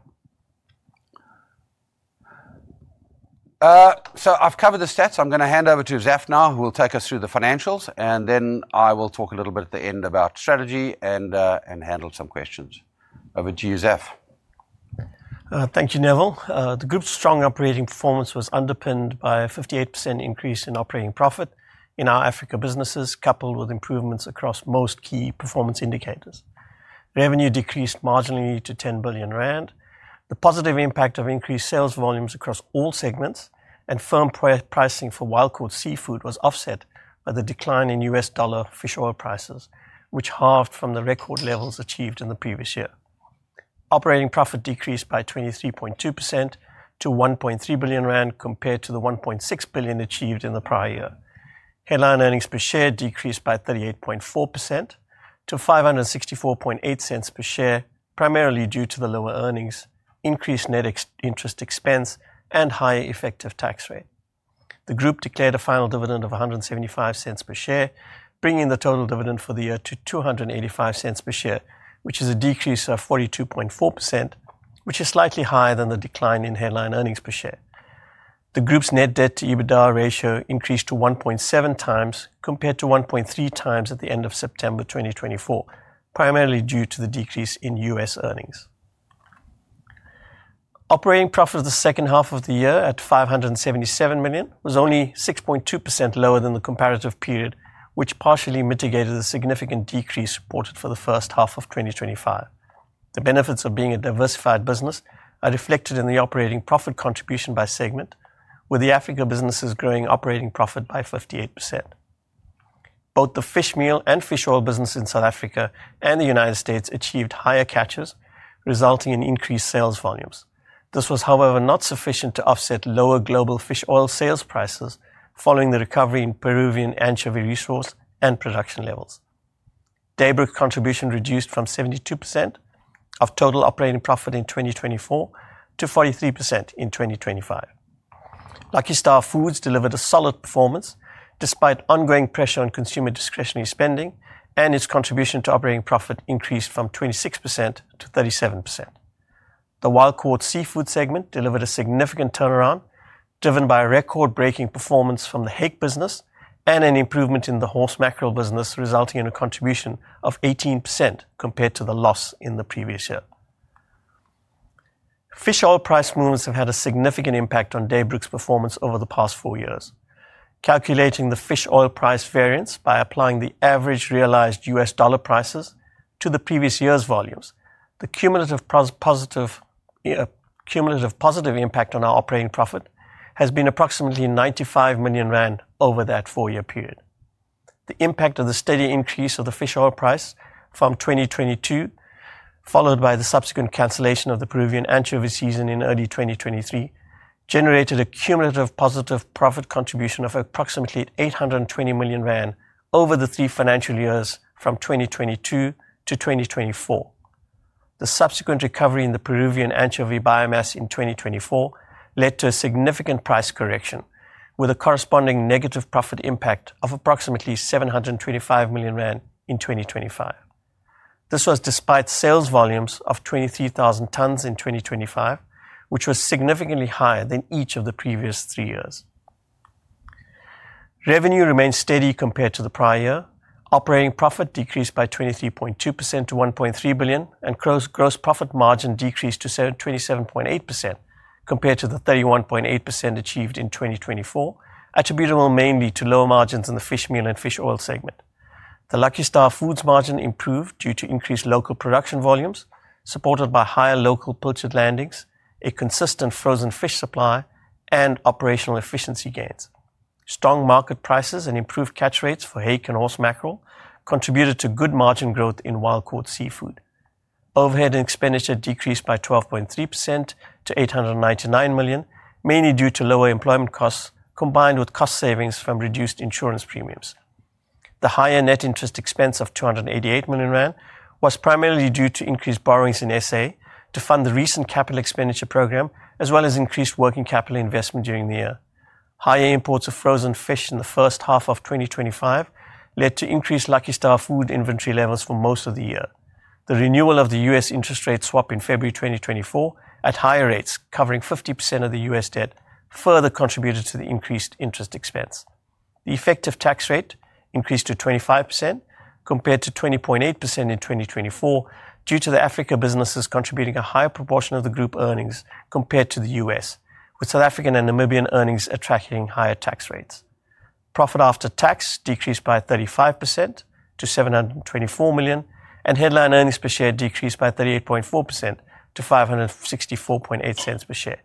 I have covered the stats. I am going to hand over to Zaf now, who will take us through the financials. I will talk a little bit at the end about strategy and handle some questions. Over to you, Zaf. Thank you, Neville. The group's strong operating performance was underpinned by a 58% increase in operating profit in our Africa businesses, coupled with improvements across most key performance indicators. Revenue decreased marginally to 10 billion rand. The positive impact of increased sales volumes across all segments and firm pricing for wild caught seafood was offset by the decline in U.S. dollar fish oil prices, which halved from the record levels achieved in the previous year. Operating profit decreased by 23.2% to 1.3 billion rand compared to the 1.6 billion achieved in the prior year. Headline earnings per share decreased by 38.4% to 5.648 per share, primarily due to the lower earnings, increased net interest expense, and higher effective tax rate. The Group declared a final dividend of 1.75 per share, bringing the total dividend for the year to 2.85 per share, which is a decrease of 42.4%, which is slightly higher than the decline in headline earnings per share. The Group's net debt to EBITDA ratio increased to 1.7x compared to 1.3x at the end of September 2024, primarily due to the decrease in U.S. earnings. Operating profit of the second half of the year at 577 million was only 6.2% lower than the comparative period, which partially mitigated the significant decrease reported for the first half of 2025. The benefits of being a diversified business are reflected in the operating profit contribution by segment, with the Africa businesses growing operating profit by 58%. Both the fishmeal and fish oil businesses in South Africa and the United States achieved higher catches, resulting in increased sales volumes. This was, however, not sufficient to offset lower global fish oil sales prices following the recovery in Peruvian anchovy resource and production levels. Daybrook contribution reduced from 72% of total operating profit in 2024 to 43% in 2025. Lucky Star Foods delivered a solid performance despite ongoing pressure on consumer discretionary spending, and its contribution to operating profit increased from 26% to 37%. The Wild Caught Seafood segment delivered a significant turnaround, driven by record-breaking performance from the Hake business and an improvement in the Horse mackerel business, resulting in a contribution of 18% compared to the loss in the previous year. Fish oil price movements have had a significant impact on Daybrook's performance over the past four years. Calculating the fish oil price variance by applying the average realized dollar prices to the previous year's volumes, the cumulative positive impact on our operating profit has been approximately 95 million rand over that four-year period. The impact of the steady increase of the fish oil price from 2022, followed by the subsequent cancellation of the Peruvian anchovy season in early 2023, generated a cumulative positive profit contribution of approximately 820 million rand over the three financial years from 2022-2024. The subsequent recovery in the Peruvian anchovy biomass in 2024 led to a significant price correction, with a corresponding negative profit impact of approximately 725 million rand in 2025. This was despite sales volumes of 23,000 tons in 2025, which was significantly higher than each of the previous three years. Revenue remained steady compared to the prior year. Operating profit decreased by 23.2% to 1.3 billion, and gross profit margin decreased to 27.8% compared to the 31.8% achieved in 2024, attributable mainly to low margins in the fishmeal and fish oil segment. The Lucky Star Foods margin improved due to increased local production volumes, supported by higher local pilchard landings, a consistent frozen fish supply, and operational efficiency gains. Strong market prices and improved catch rates for hake and horse mackerel contributed to good margin growth in Wild Caught Seafood. Overhead and expenditure decreased by 12.3% to 899 million, mainly due to lower employment costs combined with cost savings from reduced insurance premiums. The higher net interest expense of 288 million rand was primarily due to increased borrowings in S.A. to fund the recent capital expenditure program, as well as increased working capital investment during the year. Higher imports of frozen fish in the first half of 2025 led to increased Lucky Star Foods inventory levels for most of the year. The renewal of the U.S. interest rate swap in February 2024 at higher rates, covering 50% of the U.S. debt, further contributed to the increased interest expense. The effective tax rate increased to 25% compared to 20.8% in 2024 due to the Africa businesses contributing a higher proportion of the Group earnings compared to the U.S., with South African and Namibian earnings attracting higher tax rates. Profit after tax decreased by 35% to 724 million, and headline earnings per share decreased by 38.4% to 5.648 per share.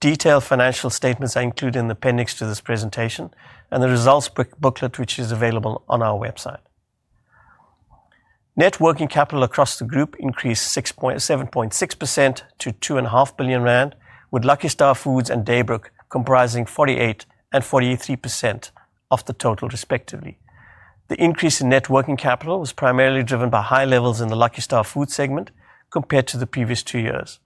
Detailed financial statements are included in the appendix to this presentation and the results booklet, which is available on our website. Net working capital across the group increased 7.6% to 2.5 billion rand, with Lucky Star Foods and Daybrook comprising 48% and 43% of the total, respectively. The increase in net working capital was primarily driven by high levels in the Lucky Star Foods segment compared to the previous two years.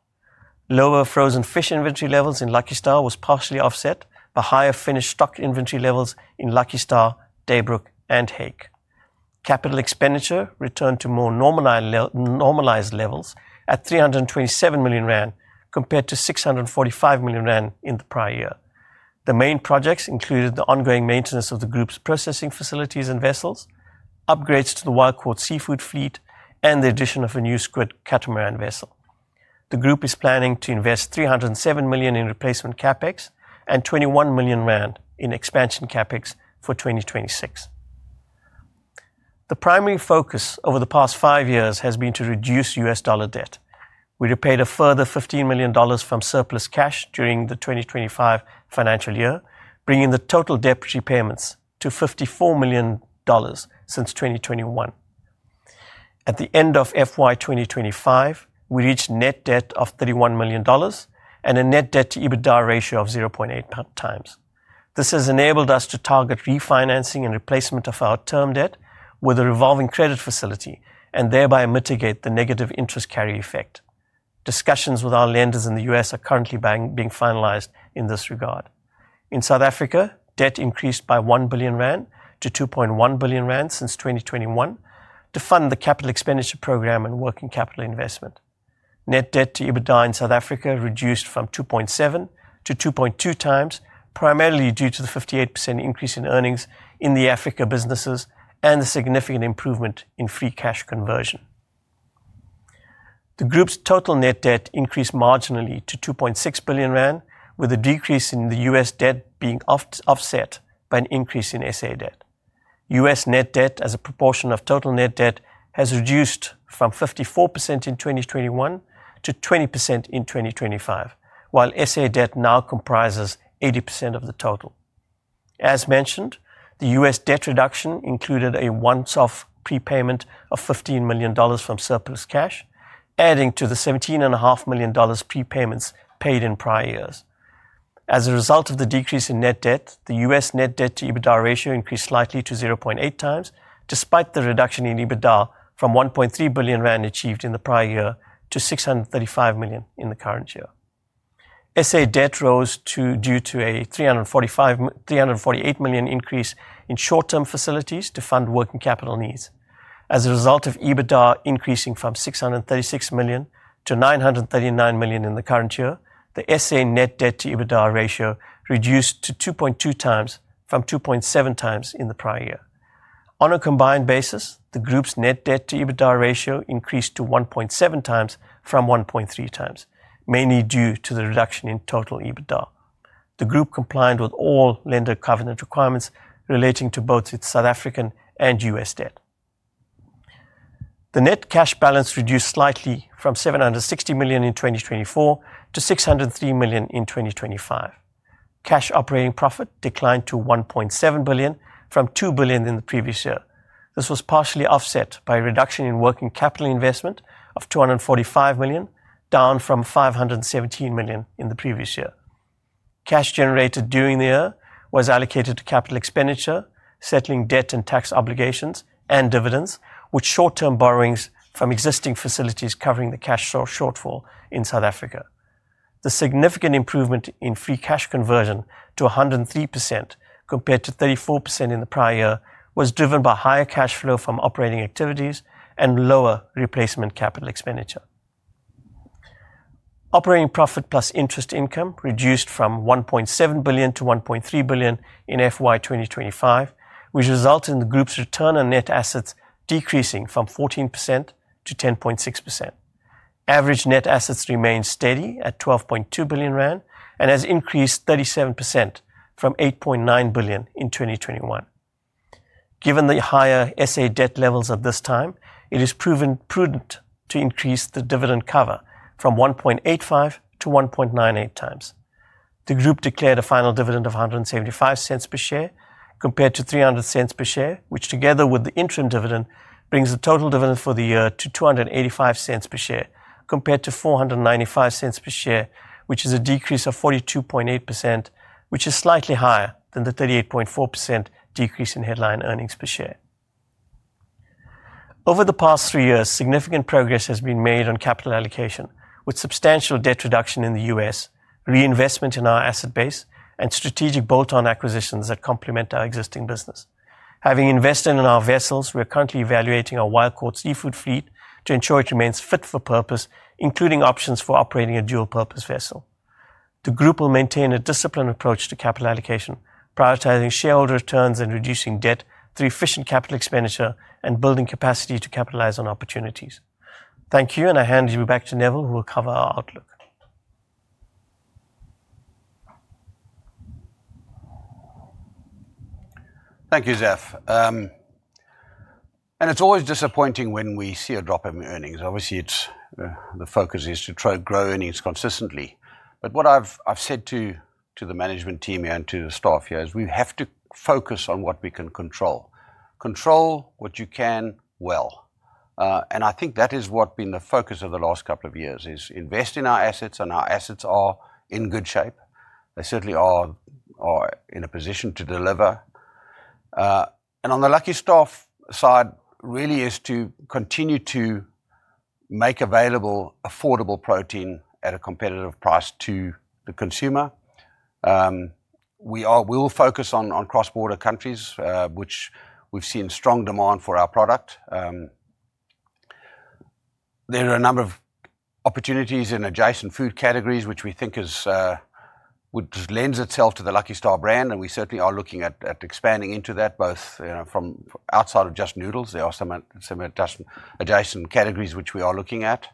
Lower frozen fish inventory levels in Lucky Star were partially offset by higher finished stock inventory levels in Lucky Star, Daybrook, and hake. Capital expenditure returned to more normalized levels at 327 million rand compared to 645 million rand in the prior year. The main projects included the ongoing maintenance of the Group's processing facilities and vessels, upgrades to the wild caught seafood fleet, and the addition of a new squid catamaran vessel. The Group is planning to invest 307 million in replacement CapEx and 21 million rand in expansion CapEx for 2026. The primary focus over the past five years has been to reduce U.S. dollar debt. We repaid a further $15 million from surplus cash during the 2025 financial year, bringing the total debt repayments to $54 million since 2021. At the end of FY 2025, we reached net debt of $31 million and a net debt to EBITDA ratio of 0.8x. This has enabled us to target refinancing and replacement of our term debt with a revolving credit facility and thereby mitigate the negative interest carry effect. Discussions with our lenders in the U.S. are currently being finalized in this regard. In South Africa, debt increased by 1 billion rand to 2.1 billion rand since 2021 to fund the capital expenditure program and working capital investment. Net debt to EBITDA in South Africa reduced from 2.7x to 2.2x, primarily due to the 58% increase in earnings in the Africa businesses and the significant improvement in free cash conversion. The Group's total net debt increased marginally to 2.6 billion rand, with a decrease in the U.S. debt being offset by an increase in S.A. debt. U.S. net debt as a proportion of total net debt has reduced from 54% in 2021 to 20% in 2025, while S.A. debt now comprises 80% of the total. As mentioned, the U.S. debt reduction included a one-off prepayment of $15 million from surplus cash, adding to the $17.5 million prepayments paid in prior years. As a result of the decrease in net debt, the U.S. net debt to EBITDA ratio increased slightly to 0.8x despite the reduction in EBITDA from 1.3 billion rand achieved in the prior year to 635 million in the current year. S.A. debt rose due to a 348 million increase in short-term facilities to fund working capital needs. As a result of EBITDA increasing from 636 million to 939 million in the current year, the S.A. net debt to EBITDA ratio reduced to 2.2x from 2.7x in the prior year. On a combined basis, the Group's net debt to EBITDA ratio increased to 1.7x from 1.3x, mainly due to the reduction in total EBITDA. The Group complied with all lender covenant requirements relating to both its South African and U.S. debt. The net cash balance reduced slightly from 760 million in 2024 to 603 million in 2025. Cash operating profit declined to 1.7 billion from 2 billion in the previous year. This was partially offset by a reduction in working capital investment of 245 million, down from 517 million in the previous year. Cash generated during the year was allocated to capital expenditure, settling debt and tax obligations, and dividends, with short-term borrowings from existing facilities covering the cash shortfall in South Africa. The significant improvement in free cash conversion to 103% compared to 34% in the prior year was driven by higher cash flow from operating activities and lower replacement capital expenditure. Operating profit plus interest income reduced from 1.7 billion to 1.3 billion in FY 2025, which resulted in the group's return on net assets decreasing from 14% to 10.6%. Average net assets remained steady at 12.2 billion rand and has increased 37% from 8.9 billion in 2021. Given the higher South African debt levels at this time, it is proven prudent to increase the dividend cover from 1.85x to 1.98x. The Group declared a final dividend of 1.75 per share compared to 3.00 per share, which together with the interim dividend brings the total dividend for the year to 2.85 per share compared to 4.95 per share, which is a decrease of 42.8%, which is slightly higher than the 38.4% decrease in headline earnings per share. Over the past three years, significant progress has been made on capital allocation, with substantial debt reduction in the U.S., reinvestment in our asset base, and strategic bolt-on acquisitions that complement our existing business. Having invested in our vessels, we are currently evaluating our Wild Caught Seafood fleet to ensure it remains fit for purpose, including options for operating a dual-purpose vessel. The Group will maintain a disciplined approach to capital allocation, prioritizing shareholder returns and reducing debt through efficient capital expenditure and building capacity to capitalize on opportunities. Thank you, and I hand you back to Neville, who will cover our outlook. Thank you, Zaf. It is always disappointing when we see a drop in earnings. Obviously, the focus is to grow earnings consistently. What I have said to the management team here and to the staff here is we have to focus on what we can control. Control what you can well. I think that has been the focus of the last couple of years, is invest in our assets, and our assets are in good shape. They certainly are in a position to deliver. On the Lucky Star side, really is to continue to make available affordable protein at a competitive price to the consumer. We will focus on cross-border countries, which we've seen strong demand for our product. There are a number of opportunities in adjacent food categories, which we think lends itself to the Lucky Star brand, and we certainly are looking at expanding into that, both from outside of just noodles. There are some adjacent categories which we are looking at.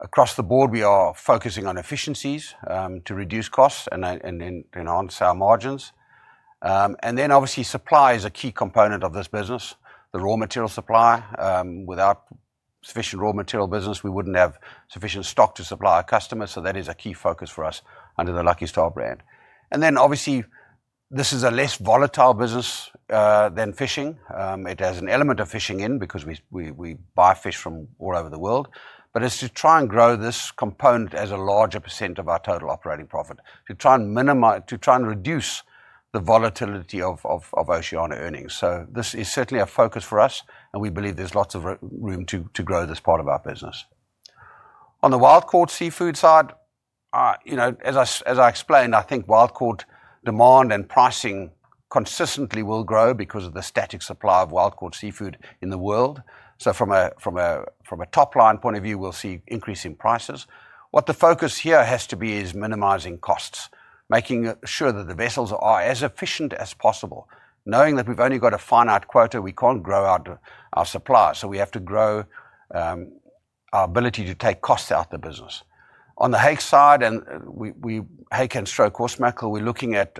Across the board, we are focusing on efficiencies to reduce costs and on our margins. Obviously, supply is a key component of this business, the raw material supply. Without sufficient raw material business, we wouldn't have sufficient stock to supply our customers. That is a key focus for us under the Lucky Star brand. This is a less volatile business than fishing. It has an element of fishing in because we buy fish from all over the world. It is to try and grow this component as a larger percent of our total operating profit, to try and reduce the volatility of Oceana earnings. This is certainly a focus for us, and we believe there is lots of room to grow this part of our business. On the Wild Caught Seafood side, as I explained, I think wild caught demand and pricing consistently will grow because of the static supply of Wild Caught Seafood in the world. From a top-line point of view, we will see increasing prices. What the focus here has to be is minimizing costs, making sure that the vessels are as efficient as possible. Knowing that we've only got a finite quota, we can't grow out our supply. We have to grow our ability to take costs out of the business. On the hake side, and hake and horse mackerel, we're looking at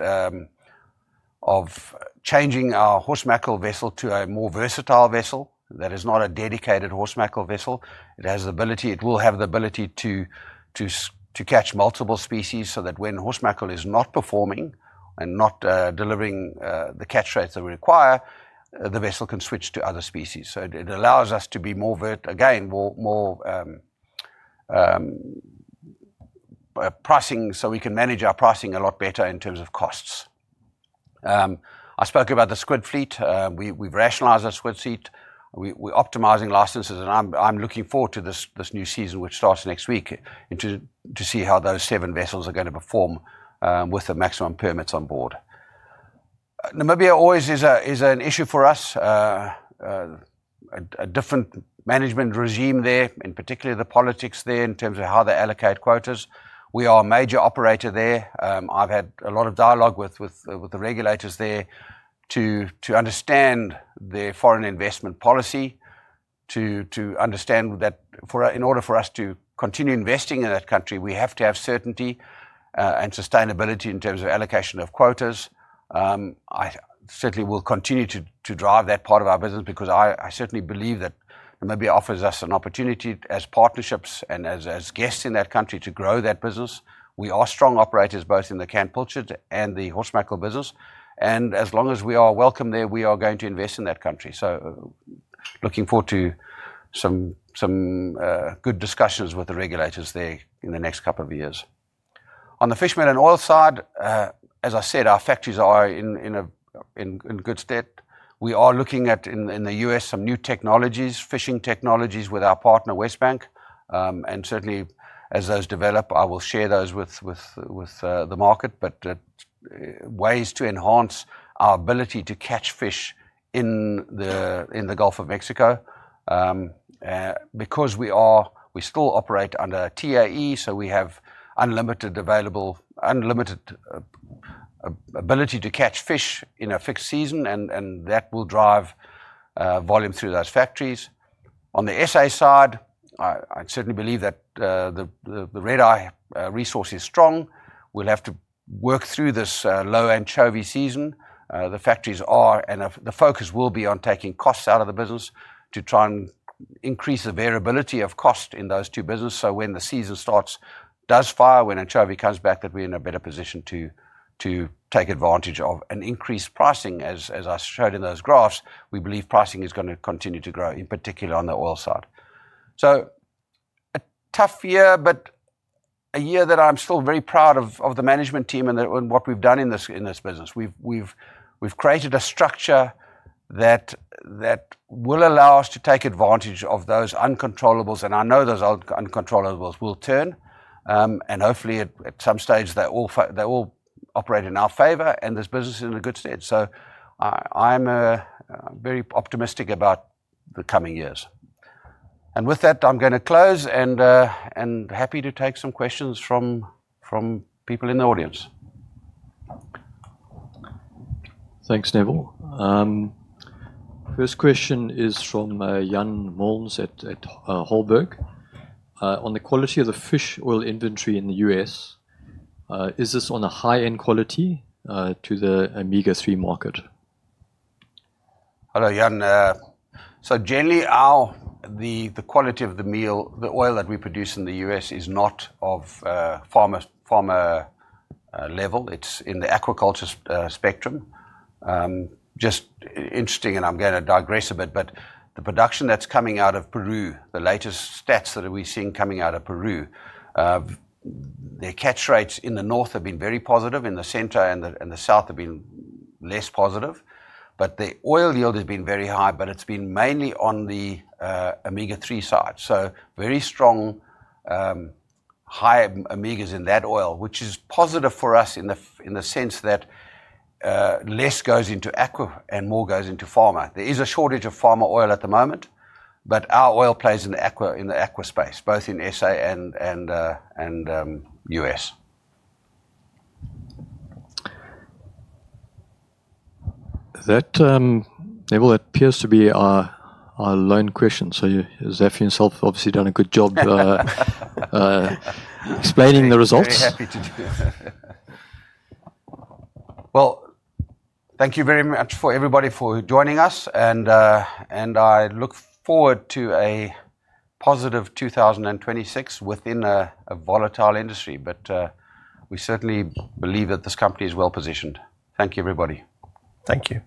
changing our horse mackerel vessel to a more versatile vessel that is not a dedicated horse mackerel vessel. It will have the ability to catch multiple species so that when horse mackerel is not performing and not delivering the catch rates that we require, the vessel can switch to other species. It allows us to be more, again, more pricing so we can manage our pricing a lot better in terms of costs. I spoke about the squid fleet. We've rationalized our squid fleet. We're optimizing licenses, and I'm looking forward to this new season, which starts next week, to see how those seven vessels are going to perform with the maximum permits on board. Namibia always is an issue for us. A different management regime there, and particularly the politics there in terms of how they allocate quotas. We are a major operator there. I've had a lot of dialogue with the regulators there to understand their foreign investment policy, to understand that in order for us to continue investing in that country, we have to have certainty and sustainability in terms of allocation of quotas. I certainly will continue to drive that part of our business because I certainly believe that Namibia offers us an opportunity as partnerships and as guests in that country to grow that business. We are strong operators both in the canned pilchard and the Horse mackerel business. As long as we are welcome there, we are going to invest in that country. I am looking forward to some good discussions with the regulators there in the next couple of years. On the fishmeal and oil side, as I said, our factories are in good stead. We are looking at, in the U.S., some new technologies, fishing technologies with our partner, Westbank. Certainly, as those develop, I will share those with the market, but ways to enhance our ability to catch fish in the Gulf of Mexico. We still operate under TAC, so we have unlimited ability to catch fish in a fixed season, and that will drive volume through those factories. On the S.A. side, I certainly believe that the redeye resource is strong. We will have to work through this low anchovy season. The factories are, and the focus will be on taking costs out of the business to try and increase the variability of cost in those two businesses. When the season starts, does fire, when anchovy comes back, that we're in a better position to take advantage of. Increased pricing, as I showed in those graphs, we believe pricing is going to continue to grow, in particular on the oil side. A tough year, but a year that I'm still very proud of the management team and what we've done in this business. We've created a structure that will allow us to take advantage of those uncontrollables, and I know those uncontrollables will turn. Hopefully, at some stage, they will operate in our favor, and this business is in a good state. I'm very optimistic about the coming years. With that, I'm going to close and happy to take some questions from people in the audience. Thanks, Neville. First question is from Jan Malms at Holberg. On the quality of the fish oil inventory in the U.S., is this on a high-end quality to the omega-3 market? Hello, Jan. Generally, the quality of the oil that we produce in the U.S. is not of pharma level. It's in the agriculture spectrum. Just interesting, I'm going to digress a bit, but the production that's coming out of Peru, the latest stats that we're seeing coming out of Peru, their catch rates in the north have been very positive. In the center and the south have been less positive. The oil yield has been very high, but it's been mainly on the omega-3 side. Very strong, high omegas in that oil, which is positive for us in the sense that less goes into aqua and more goes into farmer. There is a shortage of farmer oil at the moment, but our oil plays in the aqua space, both in S.A. and U.S. Neville, that appears to be our lone question. Zaf himself, obviously, done a good job explaining the results. Very happy to do it. Thank you very much for everybody for joining us, and I look forward to a positive 2026 within a volatile industry. We certainly believe that this company is well positioned. Thank you, everybody. Thank you.